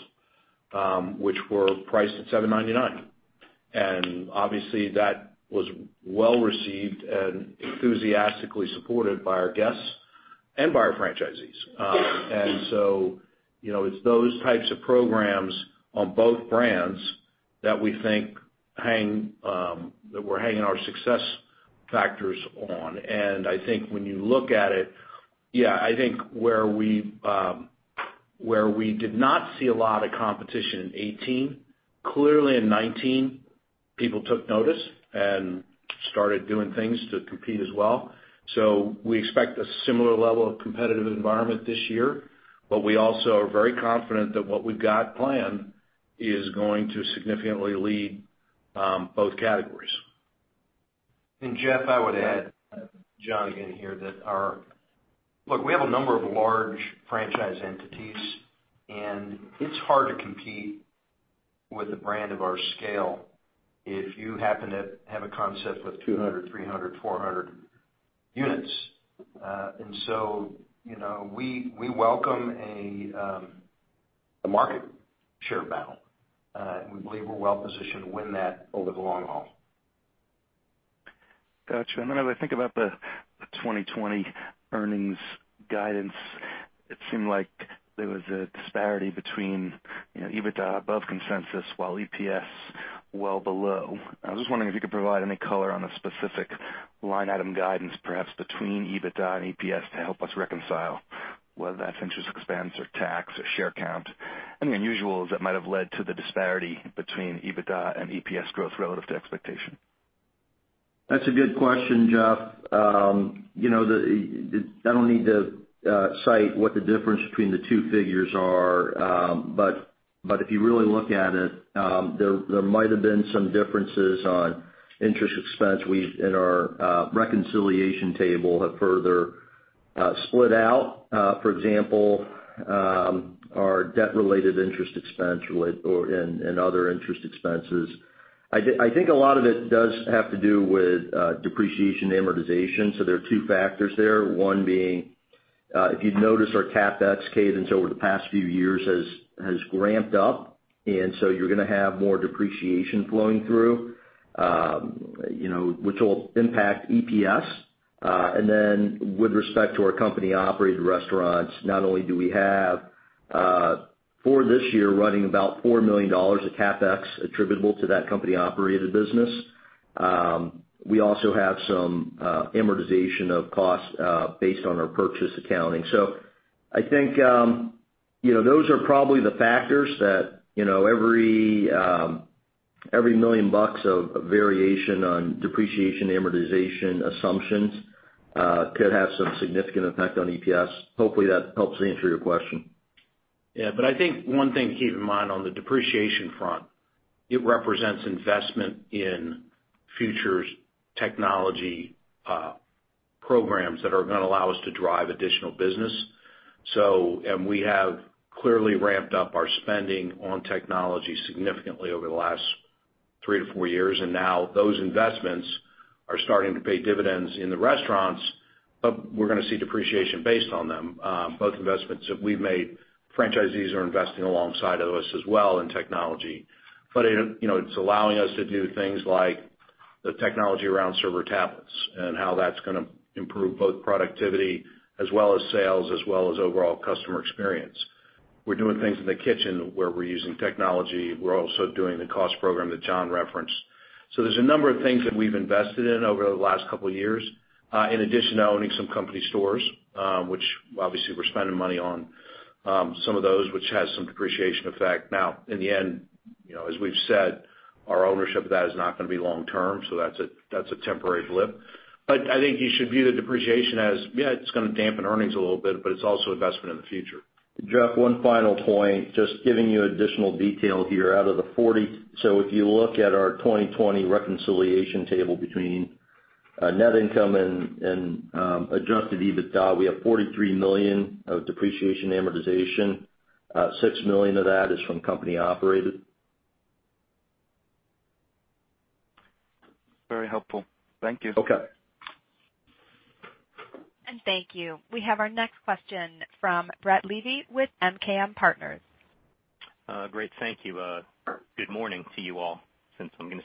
[SPEAKER 3] which were priced at $7.99. Obviously, that was well-received and enthusiastically supported by our guests and by our franchisees. It's those types of programs on both brands that we're hanging our success factors on. I think when you look at it, I think where we did not see a lot of competition in 2018, clearly in 2019, people took notice and started doing things to compete as well. We expect a similar level of competitive environment this year, but we also are very confident that what we've got planned is going to significantly lead both categories.
[SPEAKER 5] Jeff, I would add, John again here, look, we have a number of large franchise entities. It's hard to compete with a brand of our scale if you happen to have a concept with 200, 300, 400 units. We welcome a market share battle. We believe we're well positioned to win that over the long haul.
[SPEAKER 9] Got you. As I think about the 2020 earnings guidance, it seemed like there was a disparity between EBITDA above consensus while EPS well below. I was just wondering if you could provide any color on a specific line item guidance, perhaps between EBITDA and EPS to help us reconcile whether that's interest expense or tax or share count, any unusuals that might have led to the disparity between EBITDA and EPS growth relative to expectation.
[SPEAKER 4] That's a good question, Jeff. I don't need to cite what the difference between the two figures are. If you really look at it, there might have been some differences on interest expense. We, in our reconciliation table, have further split out, for example our debt-related interest expense and other interest expenses. I think a lot of it does have to do with depreciation amortization. There are two factors there. One being if you'd notice our CapEx cadence over the past few years has ramped up, you're going to have more depreciation flowing through which will impact EPS. With respect to our company-operated restaurants, not only do we have for this year running about $4 million of CapEx attributable to that company-operated business, we also have some amortization of costs based on our purchase accounting. I think those are probably the factors that every $1 million of variation on depreciation amortization assumptions could have some significant effect on EPS. Hopefully, that helps answer your question.
[SPEAKER 3] Yeah, I think one thing to keep in mind on the depreciation front, it represents investment in future technology programs that are going to allow us to drive additional business. We have clearly ramped up our spending on technology significantly over the last three to four years, now those investments are starting to pay dividends in the restaurants, we're going to see depreciation based on them, both investments that we've made, franchisees are investing alongside of us as well in technology. It's allowing us to do things like the technology around server tablets and how that's going to improve both productivity as well as sales, as well as overall customer experience. We're doing things in the kitchen where we're using technology. We're also doing the cost program that John referenced. There's a number of things that we've invested in over the last couple of years, in addition to owning some company stores, which obviously we're spending money on some of those, which has some depreciation effect. In the end, as we've said, our ownership of that is not going to be long term, so that's a temporary blip. I think you should view the depreciation as, yeah, it's going to dampen earnings a little bit, but it's also investment in the future.
[SPEAKER 4] Jeff, one final point, just giving you additional detail here. If you look at our 2020 reconciliation table between our net income and Adjusted EBITDA, we have $43 million of depreciation amortization. $6 million of that is from company operated.
[SPEAKER 9] Very helpful. Thank you.
[SPEAKER 4] Okay.
[SPEAKER 1] Thank you. We have our next question from Brett Levy with MKM Partners.
[SPEAKER 10] Great, thank you. Good morning to you all.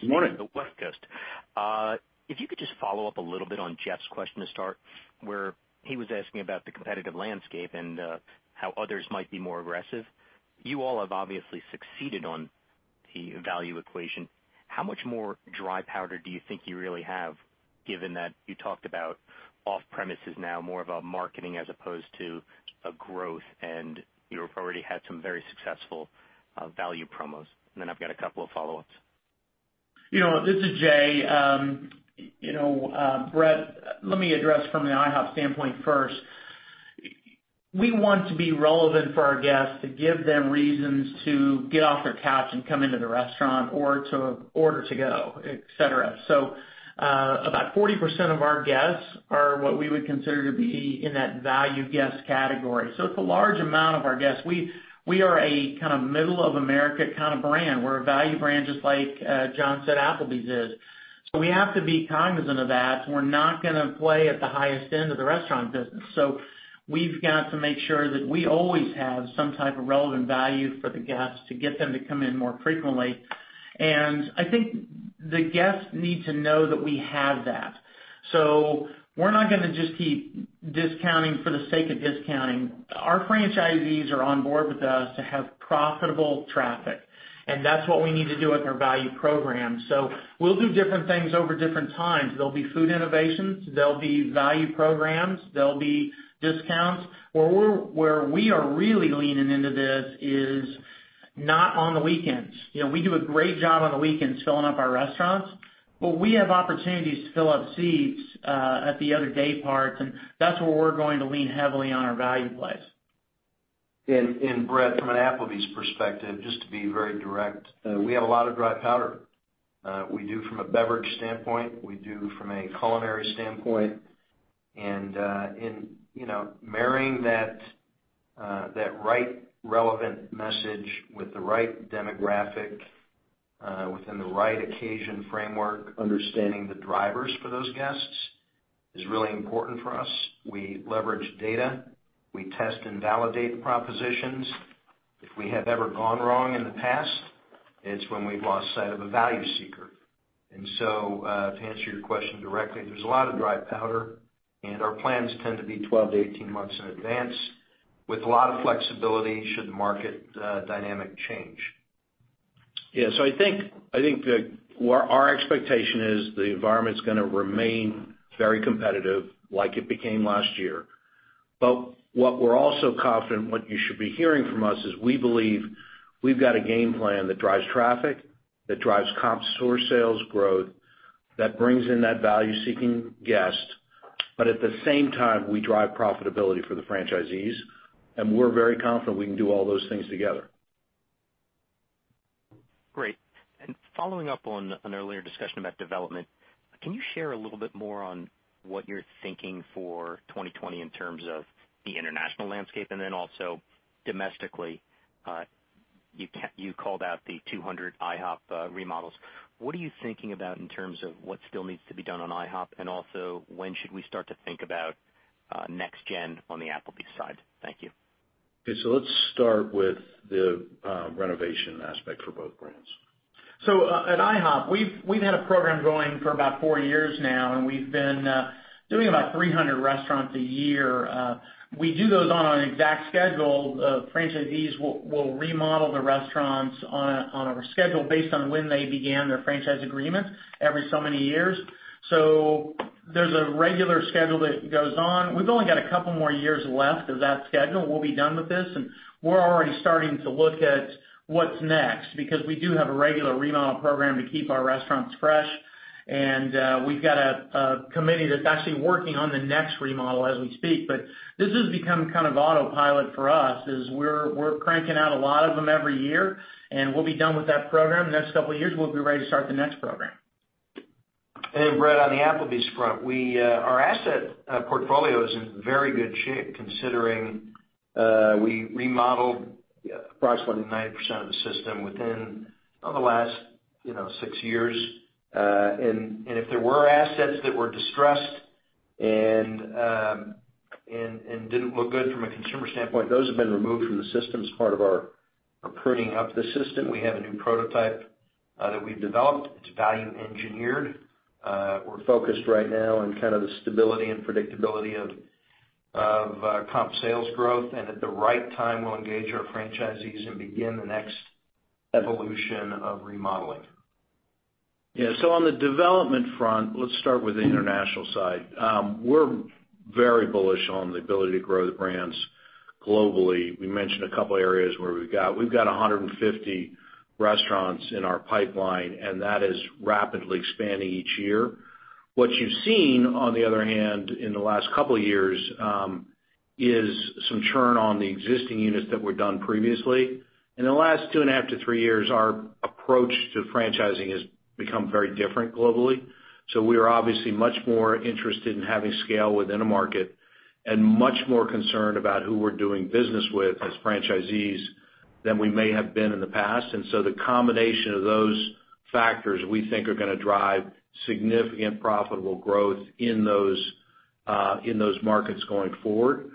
[SPEAKER 5] Morning
[SPEAKER 10] The West Coast. If you could just follow up a little bit on Jeff's question to start, where he was asking about the competitive landscape and how others might be more aggressive. You all have obviously succeeded on the value equation. How much more dry powder do you think you really have, given that you talked about off-premises now more of a marketing as opposed to a growth, and you have already had some very successful value promos. I've got a couple of follow-ups.
[SPEAKER 6] This is Jay. Brett, let me address from the IHOP standpoint first. We want to be relevant for our guests to give them reasons to get off their couch and come into the restaurant or to order to go, et cetera. About 40% of our guests are what we would consider to be in that value guest category. It's a large amount of our guests. We are a kind of middle of America kind of brand. We're a value brand, just like John said Applebee's is. We have to be cognizant of that. We're not going to play at the highest end of the restaurant business. We've got to make sure that we always have some type of relevant value for the guests to get them to come in more frequently. I think the guests need to know that we have that. We're not going to just keep discounting for the sake of discounting. Our franchisees are on board with us to have profitable traffic, and that's what we need to do with our value program. We'll do different things over different times. There'll be food innovations, there'll be value programs, there'll be discounts. Where we are really leaning into this is not on the weekends. We do a great job on the weekends filling up our restaurants, but we have opportunities to fill up seats at the other day parts, and that's where we're going to lean heavily on our value plays.
[SPEAKER 5] Brett, from an Applebee's perspective, just to be very direct, we have a lot of dry powder. We do from a beverage standpoint, we do from a culinary standpoint, and in marrying that right relevant message with the right demographic, within the right occasion framework, understanding the drivers for those guests is really important for us. We leverage data. We test and validate the propositions. If we have ever gone wrong in the past, it's when we've lost sight of a value seeker. To answer your question directly, there's a lot of dry powder, and our plans tend to be 12 to 18 months in advance with a lot of flexibility should the market dynamic change.
[SPEAKER 3] Yes, I think that where our expectation is the environment's going to remain very competitive like it became last year. What we're also confident, what you should be hearing from us is we believe we've got a game plan that drives traffic, that drives comp sales growth, that brings in that value-seeking guest. At the same time, we drive profitability for the franchisees. We're very confident we can do all those things together.
[SPEAKER 10] Great. Following up on an earlier discussion about development, can you share a little bit more on what you're thinking for 2020 in terms of the international landscape, and then also domestically? You called out the 200 IHOP remodels. What are you thinking about in terms of what still needs to be done on IHOP? Also when should we start to think about next gen on the Applebee's side? Thank you.
[SPEAKER 3] Okay, let's start with the renovation aspect for both brands.
[SPEAKER 6] At IHOP, we've had a program going for about four years now, and we've been doing about 300 restaurants a year. We do those on an exact schedule. Franchisees will remodel the restaurants on a schedule based on when they began their franchise agreements every so many years. There's a regular schedule that goes on. We've only got a couple more years left of that schedule. We'll be done with this, and we're already starting to look at what's next because we do have a regular remodel program to keep our restaurants fresh. We've got a committee that's actually working on the next remodel as we speak. This has become kind of autopilot for us is we're cranking out a lot of them every year, and we'll be done with that program. The next couple of years, we'll be ready to start the next program.
[SPEAKER 5] Brett, on the Applebee's front, our asset portfolio is in very good shape considering we remodeled approximately 90% of the system within the last six years. If there were assets that were distressed and didn't look good from a consumer standpoint, those have been removed from the system as part of our pruning up the system. We have a new prototype that we've developed. It's value engineered. We're focused right now on the stability and predictability of comp sales growth. At the right time, we'll engage our franchisees and begin the next evolution of remodeling.
[SPEAKER 3] Yeah. On the development front, let's start with the international side. We're very bullish on the ability to grow the brands globally. We mentioned a couple of areas where we've got 150 restaurants in our pipeline, and that is rapidly expanding each year. What you've seen, on the other hand, in the last couple of years is some churn on the existing units that were done previously. In the last two and a half to three years, our approach to franchising has become very different globally. We are obviously much more interested in having scale within a market and much more concerned about who we're doing business with as franchisees than we may have been in the past. The combination of those factors, we think, are going to drive significant profitable growth in those markets going forward.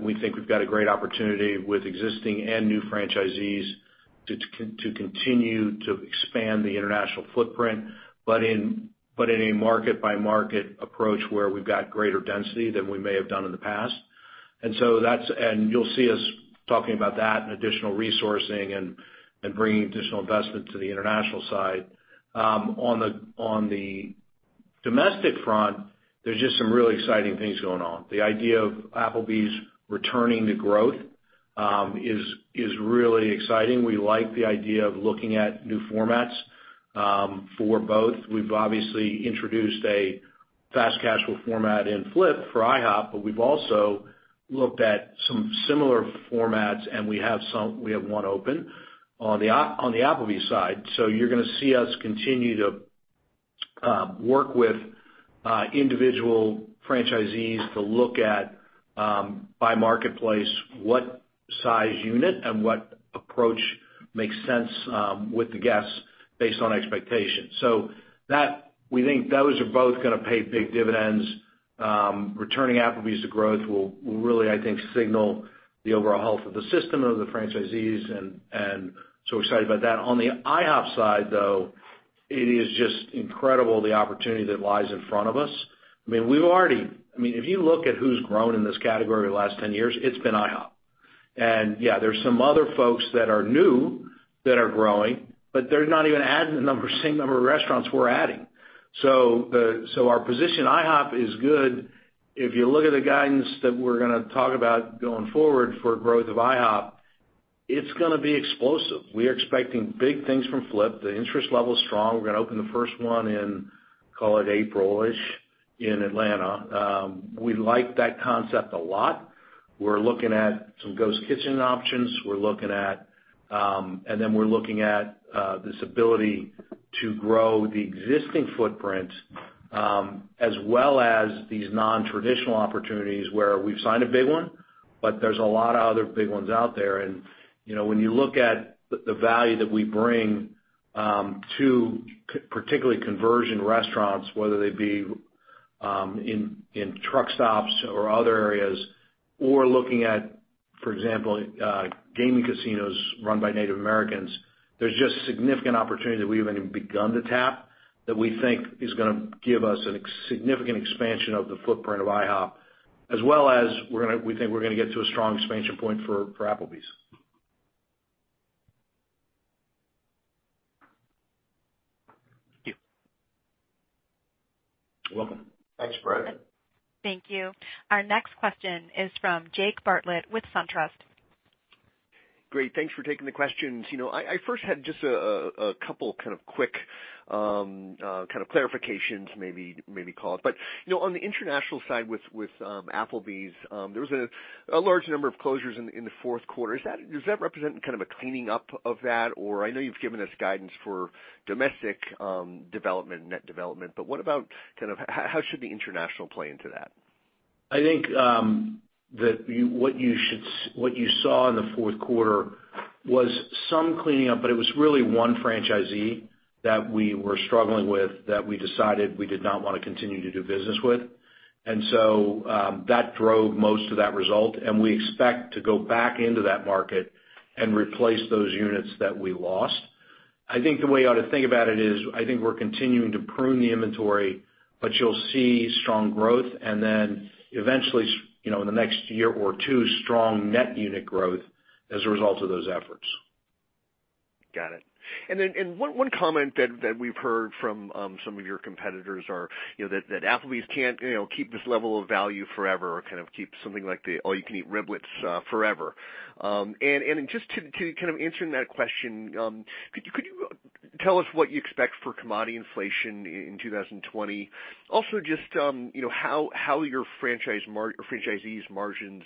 [SPEAKER 3] We think we've got a great opportunity with existing and new franchisees to continue to expand the international footprint, but in a market-by-market approach where we've got greater density than we may have done in the past. You'll see us talking about that and additional resourcing and bringing additional investment to the international side. On the domestic front, there's just some really exciting things going on. The idea of Applebee's returning to growth is really exciting. We like the idea of looking at new formats for both. We've obviously introduced a fast casual format in Flip'd for IHOP, but we've also looked at some similar formats, and we have one open on the Applebee's side. You're going to see us continue to work with individual franchisees to look at, by marketplace, what size unit and what approach makes sense with the guests based on expectations. We think those are both going to pay big dividends. Returning Applebee's to growth will really, I think, signal the overall health of the system of the franchisees, and so we're excited about that. On the IHOP side, though, it is just incredible the opportunity that lies in front of us. If you look at who's grown in this category the last 10 years, it's been IHOP. Yeah, there's some other folks that are new that are growing, but they're not even adding the same number of restaurants we're adding. Our position, IHOP, is good. If you look at the guidance that we're going to talk about going forward for growth of IHOP, it's going to be explosive. We are expecting big things from Flip'd. The interest level is strong. We're going to open the first one in, call it April-ish, in Atlanta. We like that concept a lot. We're looking at some ghost kitchen options, and then we're looking at this ability to grow the existing footprint as well as these non-traditional opportunities where we've signed a big one, but there's a lot of other big ones out there. When you look at the value that we bring to particularly conversion restaurants, whether they be in truck stops or other areas, or looking at, for example, gaming casinos run by Native Americans, there's just significant opportunity that we haven't even begun to tap that we think is going to give us a significant expansion of the footprint of IHOP, as well as we think we're going to get to a strong expansion point for Applebee's.
[SPEAKER 10] Thank you.
[SPEAKER 3] You're welcome.
[SPEAKER 5] Thanks, Brett.
[SPEAKER 1] Thank you. Our next question is from Jake Bartlett with SunTrust.
[SPEAKER 11] Great. Thanks for taking the questions. I first had just a couple kind of quick clarifications, maybe call it. On the international side with Applebee's, there was a large number of closures in the fourth quarter. Does that represent kind of a cleaning up of that? I know you've given us guidance for domestic net development, but how should the international play into that?
[SPEAKER 3] I think that what you saw in the fourth quarter was some cleaning up. It was really one franchisee that we were struggling with that we decided we did not want to continue to do business with. That drove most of that result. We expect to go back into that market and replace those units that we lost. I think the way you ought to think about it is, I think we're continuing to prune the inventory. You'll see strong growth eventually, in the next year or two, strong net unit growth as a result of those efforts.
[SPEAKER 11] Got it. One comment that we've heard from some of your competitors are that Applebee's can't keep this level of value forever or keep something like the all-you-can-eat riblets forever. Just to kind of answering that question, could you tell us what you expect for commodity inflation in 2020? Also, just how your franchisees' margins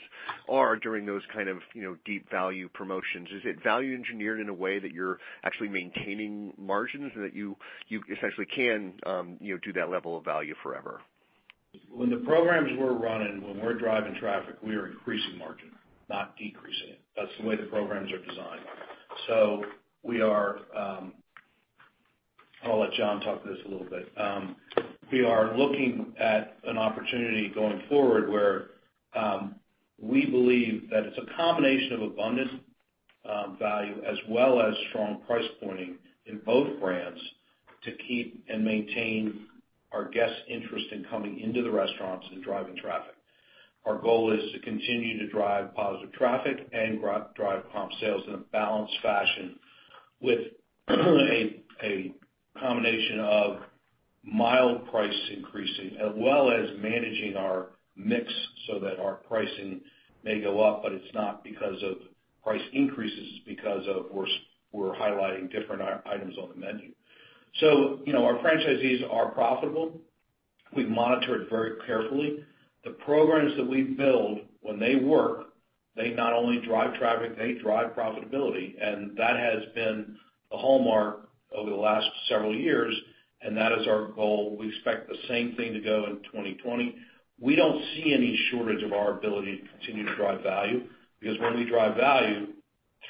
[SPEAKER 11] are during those kind of deep value promotions? Is it value engineered in a way that you're actually maintaining margins and that you essentially can do that level of value forever?
[SPEAKER 3] When the programs we're running, when we're driving traffic, we are increasing margin, not decreasing it. That's the way the programs are designed. I'll let John talk to this a little bit. We are looking at an opportunity going forward where we believe that it's a combination of abundance value as well as strong price pointing in both brands to keep and maintain our guests' interest in coming into the restaurants and driving traffic. Our goal is to continue to drive positive traffic and drive comp sales in a balanced fashion with a combination of mild price increasing as well as managing our mix so that our pricing may go up, but it's not because of price increases because we're highlighting different items on the menu. Our franchisees are profitable. We monitor it very carefully. The programs that we build, when they work, they not only drive traffic, they drive profitability, and that has been a hallmark over the last several years, and that is our goal. We expect the same thing to go in 2020. We don't see any shortage of our ability to continue to drive value, because when we drive value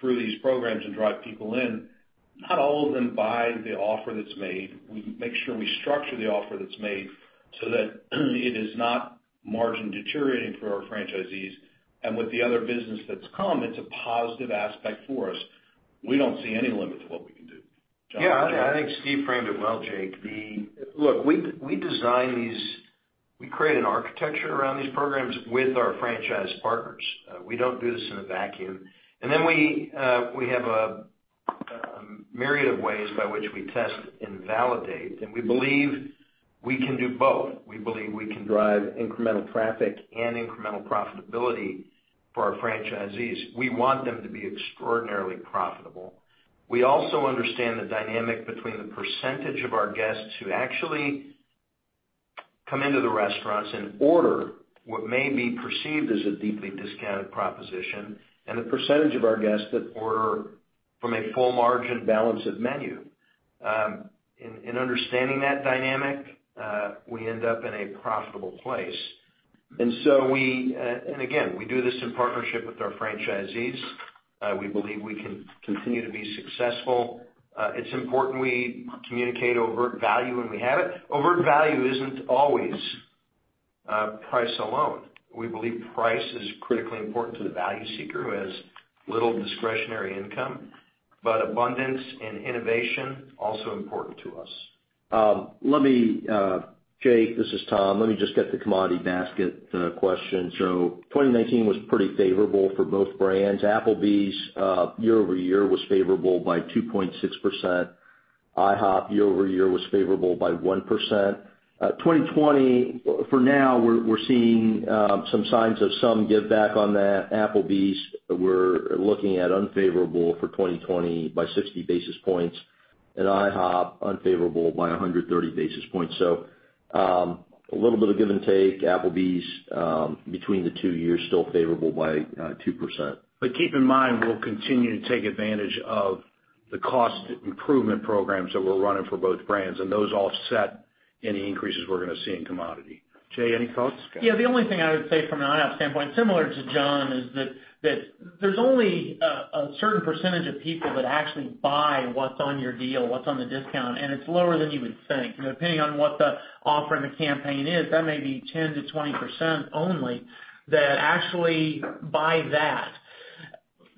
[SPEAKER 3] through these programs and drive people in, not all of them buy the offer that's made. We make sure we structure the offer that's made so that it is not margin deteriorating for our franchisees. With the other business that's come, it's a positive aspect for us. We don't see any limit to what we can do. John?
[SPEAKER 5] Yeah, I think Steve framed it well, Jake. Look, we design these, we create an architecture around these programs with our franchise partners. Then we have a myriad of ways by which we test and validate, and we believe we can do both. We believe we can drive incremental traffic and incremental profitability for our franchisees. We want them to be extraordinarily profitable. We also understand the dynamic between the percentage of our guests who actually come into the restaurants and order what may be perceived as a deeply discounted proposition, and the percentage of our guests that order from a full margin balance of menu. In understanding that dynamic, we end up in a profitable place. Again, we do this in partnership with our franchisees. We believe we can continue to be successful. It's important we communicate overt value when we have it. Overt value isn't always price alone. We believe price is critically important to the value seeker who has little discretionary income, but abundance and innovation, also important to us.
[SPEAKER 4] Jake, this is Tom. Let me just get the commodity basket question. 2019 was pretty favorable for both brands. Applebee's, year-over-year, was favorable by 2.6%. IHOP, year-over-year, was favorable by 1%. 2020, for now, we're seeing some signs of some giveback on that. Applebee's, we're looking at unfavorable for 2020 by 60 basis points, and IHOP unfavorable by 130 basis points. A little bit of give and take. Applebee's, between the two years, still favorable by 2%.
[SPEAKER 3] Keep in mind, we'll continue to take advantage of the cost improvement programs that we're running for both brands, and those offset any increases we're going to see in commodity. Jay, any thoughts?
[SPEAKER 6] Yeah, the only thing I would say from an IHOP standpoint, similar to John, is that there's only a certain percentage of people that actually buy what's on your deal, what's on the discount, and it's lower than you would think. Depending on what the offer and the campaign is, that may be 10%-20% only that actually buy that.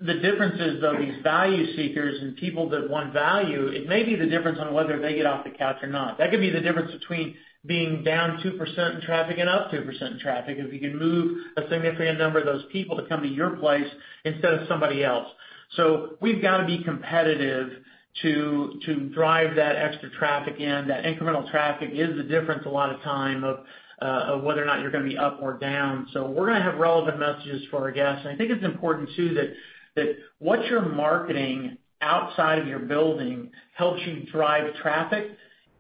[SPEAKER 6] The difference is, though, these value seekers and people that want value, it may be the difference on whether they get off the couch or not. That could be the difference between being down 2% in traffic and up 2% in traffic, if you can move a significant number of those people to come to your place instead of somebody else. We've got to be competitive to drive that extra traffic in. That incremental traffic is the difference a lot of time of whether or not you're going to be up or down. We're going to have relevant messages for our guests. I think it's important, too, that what you're marketing outside of your building helps you drive traffic.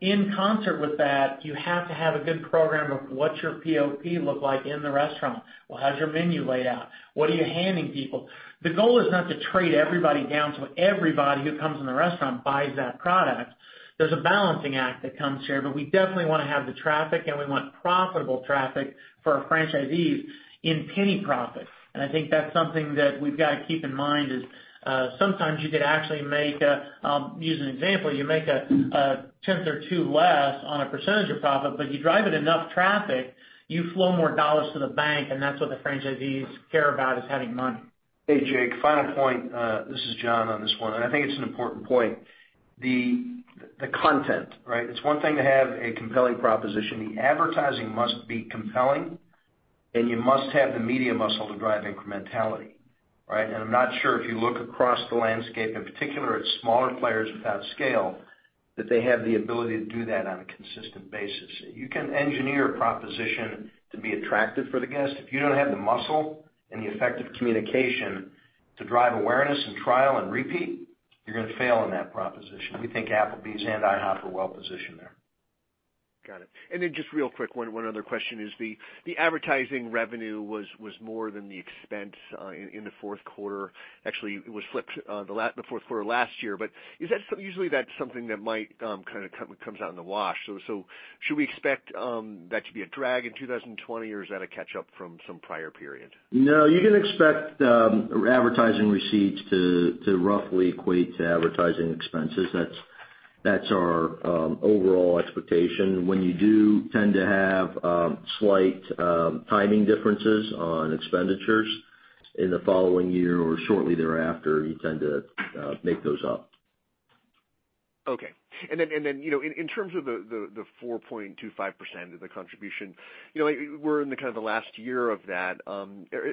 [SPEAKER 6] In concert with that, you have to have a good program of what your POP look like in the restaurant. Well, how's your menu laid out? What are you handing people? The goal is not to trade everybody down so everybody who comes in the restaurant buys that product. There's a balancing act that comes here, but we definitely want to have the traffic, and we want profitable traffic for our franchisees in penny profit. I think that's something that we've got to keep in mind, is sometimes you could actually make, I'll use an example, you make a tenth or two less on a percentage of profit, but you drive it enough traffic, you flow more dollars to the bank, and that's what the franchisees care about, is having money.
[SPEAKER 5] Hey, Jake, final point. This is John on this one. I think it's an important point. The content, right? It's one thing to have a compelling proposition. The advertising must be compelling. You must have the media muscle to drive incrementality. Right? I'm not sure if you look across the landscape, in particular at smaller players without scale, that they have the ability to do that on a consistent basis. You can engineer a proposition to be attractive for the guest. If you don't have the muscle and the effective communication to drive awareness and trial and repeat, you're going to fail in that proposition. We think Applebee's and IHOP are well positioned there.
[SPEAKER 11] Got it. Just real quick, one other question is the advertising revenue was more than the expense in the fourth quarter. Actually, it was flipped the fourth quarter last year. Usually that's something that might kind of comes out in the wash. Should we expect that to be a drag in 2020, or is that a catch-up from some prior period?
[SPEAKER 4] No, you can expect advertising receipts to roughly equate to advertising expenses. That's our overall expectation. When you do tend to have slight timing differences on expenditures in the following year or shortly thereafter, you tend to make those up.
[SPEAKER 11] Okay. In terms of the 4.25% of the contribution, we're in the last year of that.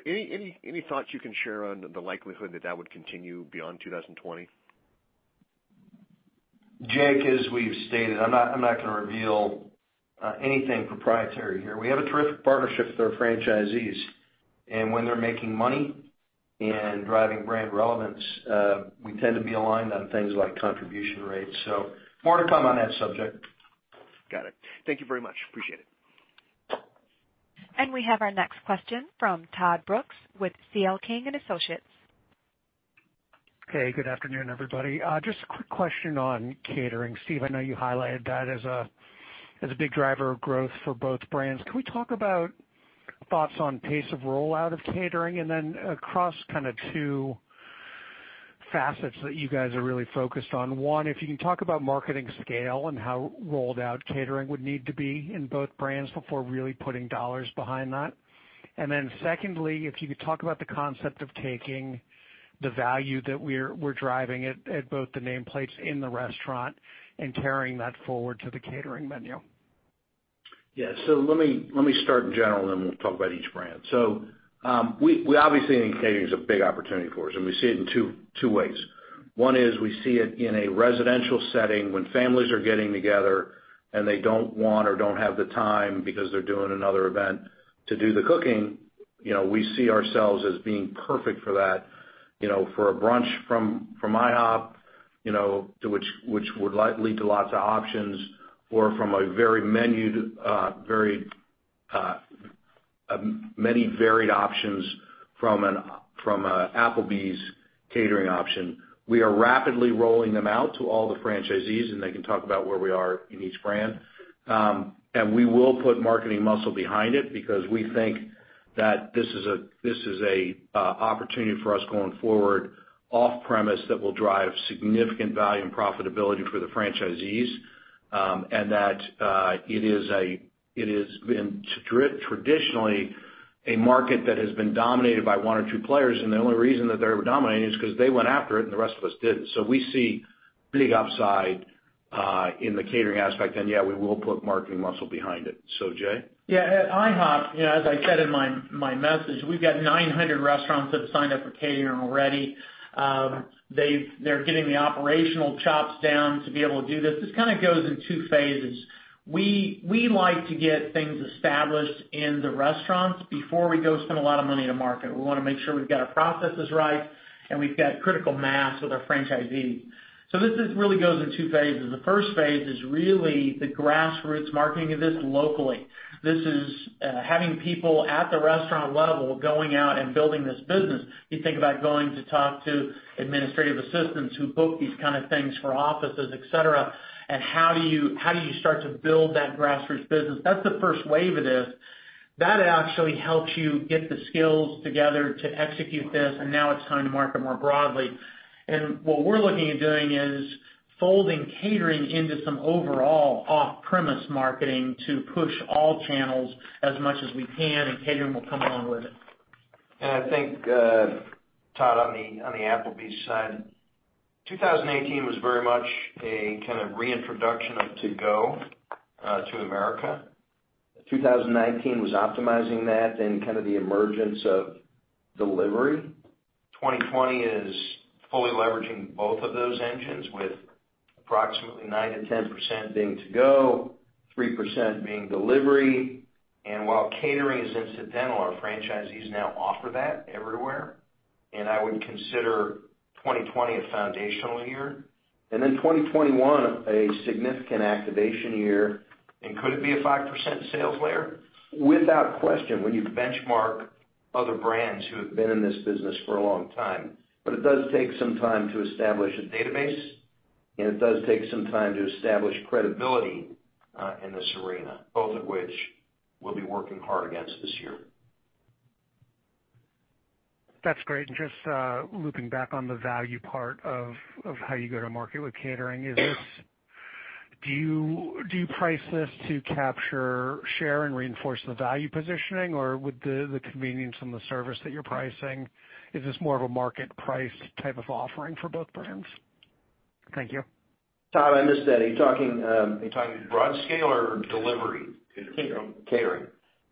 [SPEAKER 11] Any thoughts you can share on the likelihood that that would continue beyond 2020?
[SPEAKER 4] Jake, as we've stated, I'm not going to reveal anything proprietary here. We have a terrific partnership with our franchisees, and when they're making money and driving brand relevance, we tend to be aligned on things like contribution rates. More to come on that subject.
[SPEAKER 11] Got it. Thank you very much. Appreciate it.
[SPEAKER 1] We have our next question from Todd Brooks with C.L. King & Associates.
[SPEAKER 12] Okay. Good afternoon, everybody. Just a quick question on catering. Steve, I know you highlighted that as a big driver of growth for both brands. Can we talk about thoughts on pace of rollout of catering and then across two facets that you guys are really focused on? One, if you can talk about marketing scale and how rolled out catering would need to be in both brands before really putting dollars behind that. Secondly, if you could talk about the concept of taking the value that we're driving at both the nameplates in the restaurant and carrying that forward to the catering menu.
[SPEAKER 3] Yeah. Let me start in general, and then we'll talk about each brand. We obviously think catering is a big opportunity for us, and we see it in two ways. One is we see it in a residential setting when families are getting together, and they don't want or don't have the time because they're doing another event to do the cooking. We see ourselves as being perfect for that, for a brunch from IHOP, which would lead to lots of options or from many varied options from an Applebee's catering option. We are rapidly rolling them out to all the franchisees, and they can talk about where we are in each brand. We will put marketing muscle behind it because we think that this is an opportunity for us going forward off-premise that will drive significant value and profitability for the franchisees, and that it is traditionally a market that has been dominated by one or two players, and the only reason that they were dominating is because they went after it, and the rest of us didn't. We see big upside in the catering aspect. Yeah, we will put marketing muscle behind it. Jay?
[SPEAKER 6] Yeah. At IHOP, as I said in my message, we've got 900 restaurants that have signed up for catering already. They're getting the operational chops down to be able to do this. This kind of goes in two phases. We like to get things established in the restaurants before we go spend a lot of money to market. We want to make sure we've got our processes right and we've got critical mass with our franchisees. This really goes in two phases. The first phase is really the grassroots marketing of this locally. This is having people at the restaurant level going out and building this business. You think about going to talk to administrative assistants who book these kind of things for offices, et cetera, and how do you start to build that grassroots business? That's the first wave of this. That actually helps you get the skills together to execute this, and now it's time to market more broadly. What we're looking at doing is folding catering into some overall off-premise marketing to push all channels as much as we can, and catering will come along with it.
[SPEAKER 5] I think, Todd, on the Applebee's side, 2018 was very much a kind of reintroduction of To Go to America. 2019 was optimizing that, then kind of the emergence of delivery. 2020 is fully leveraging both of those engines with approximately 9-10% being To Go, 3% being delivery. While catering is incidental, our franchisees now offer that everywhere. I would consider 2020 a foundational year, and then 2021 a significant activation year. Could it be a 5% sales layer? Without question, when you benchmark other brands who have been in this business for a long time. It does take some time to establish a database, and it does take some time to establish credibility in this arena, both of which we'll be working hard against this year.
[SPEAKER 12] That's great. Just looping back on the value part of how you go to market with catering, do you price this to capture, share, and reinforce the value positioning, or with the convenience and the service that you're pricing, is this more of a market-priced type of offering for both brands? Thank you.
[SPEAKER 5] Todd, I missed that. Are you talking broad scale or delivery catering?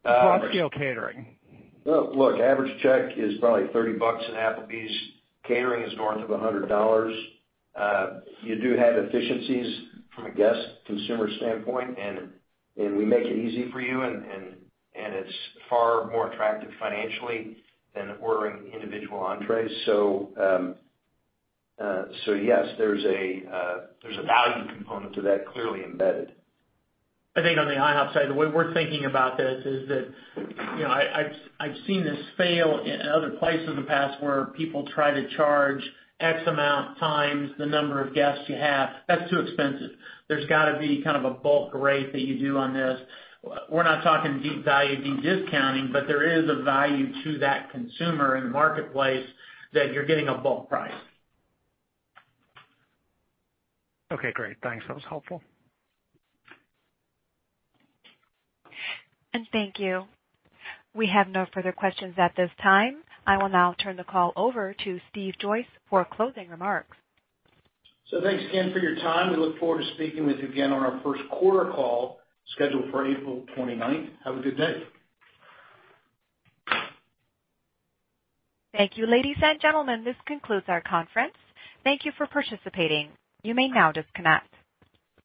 [SPEAKER 12] Broad scale catering.
[SPEAKER 5] Average check is probably $30 at Applebee's. Catering is north of $100. You do have efficiencies from a guest consumer standpoint, and we make it easy for you, and it's far more attractive financially than ordering individual entrees. Yes, there's a value component to that clearly embedded.
[SPEAKER 6] I think on the IHOP side, the way we're thinking about this is that I've seen this fail in other places in the past where people try to charge X amount times the number of guests you have. That's too expensive. There's got to be kind of a bulk rate that you do on this. We're not talking deep value, deep discounting, but there is a value to that consumer in the marketplace that you're getting a bulk price.
[SPEAKER 12] Okay, great. Thanks. That was helpful.
[SPEAKER 1] Thank you. We have no further questions at this time. I will now turn the call over to Steve Joyce for closing remarks.
[SPEAKER 3] Thanks again for your time. We look forward to speaking with you again on our first quarter call scheduled for April 29th. Have a good day.
[SPEAKER 1] Thank you, ladies and gentlemen, this concludes our conference. Thank you for participating. You may now disconnect.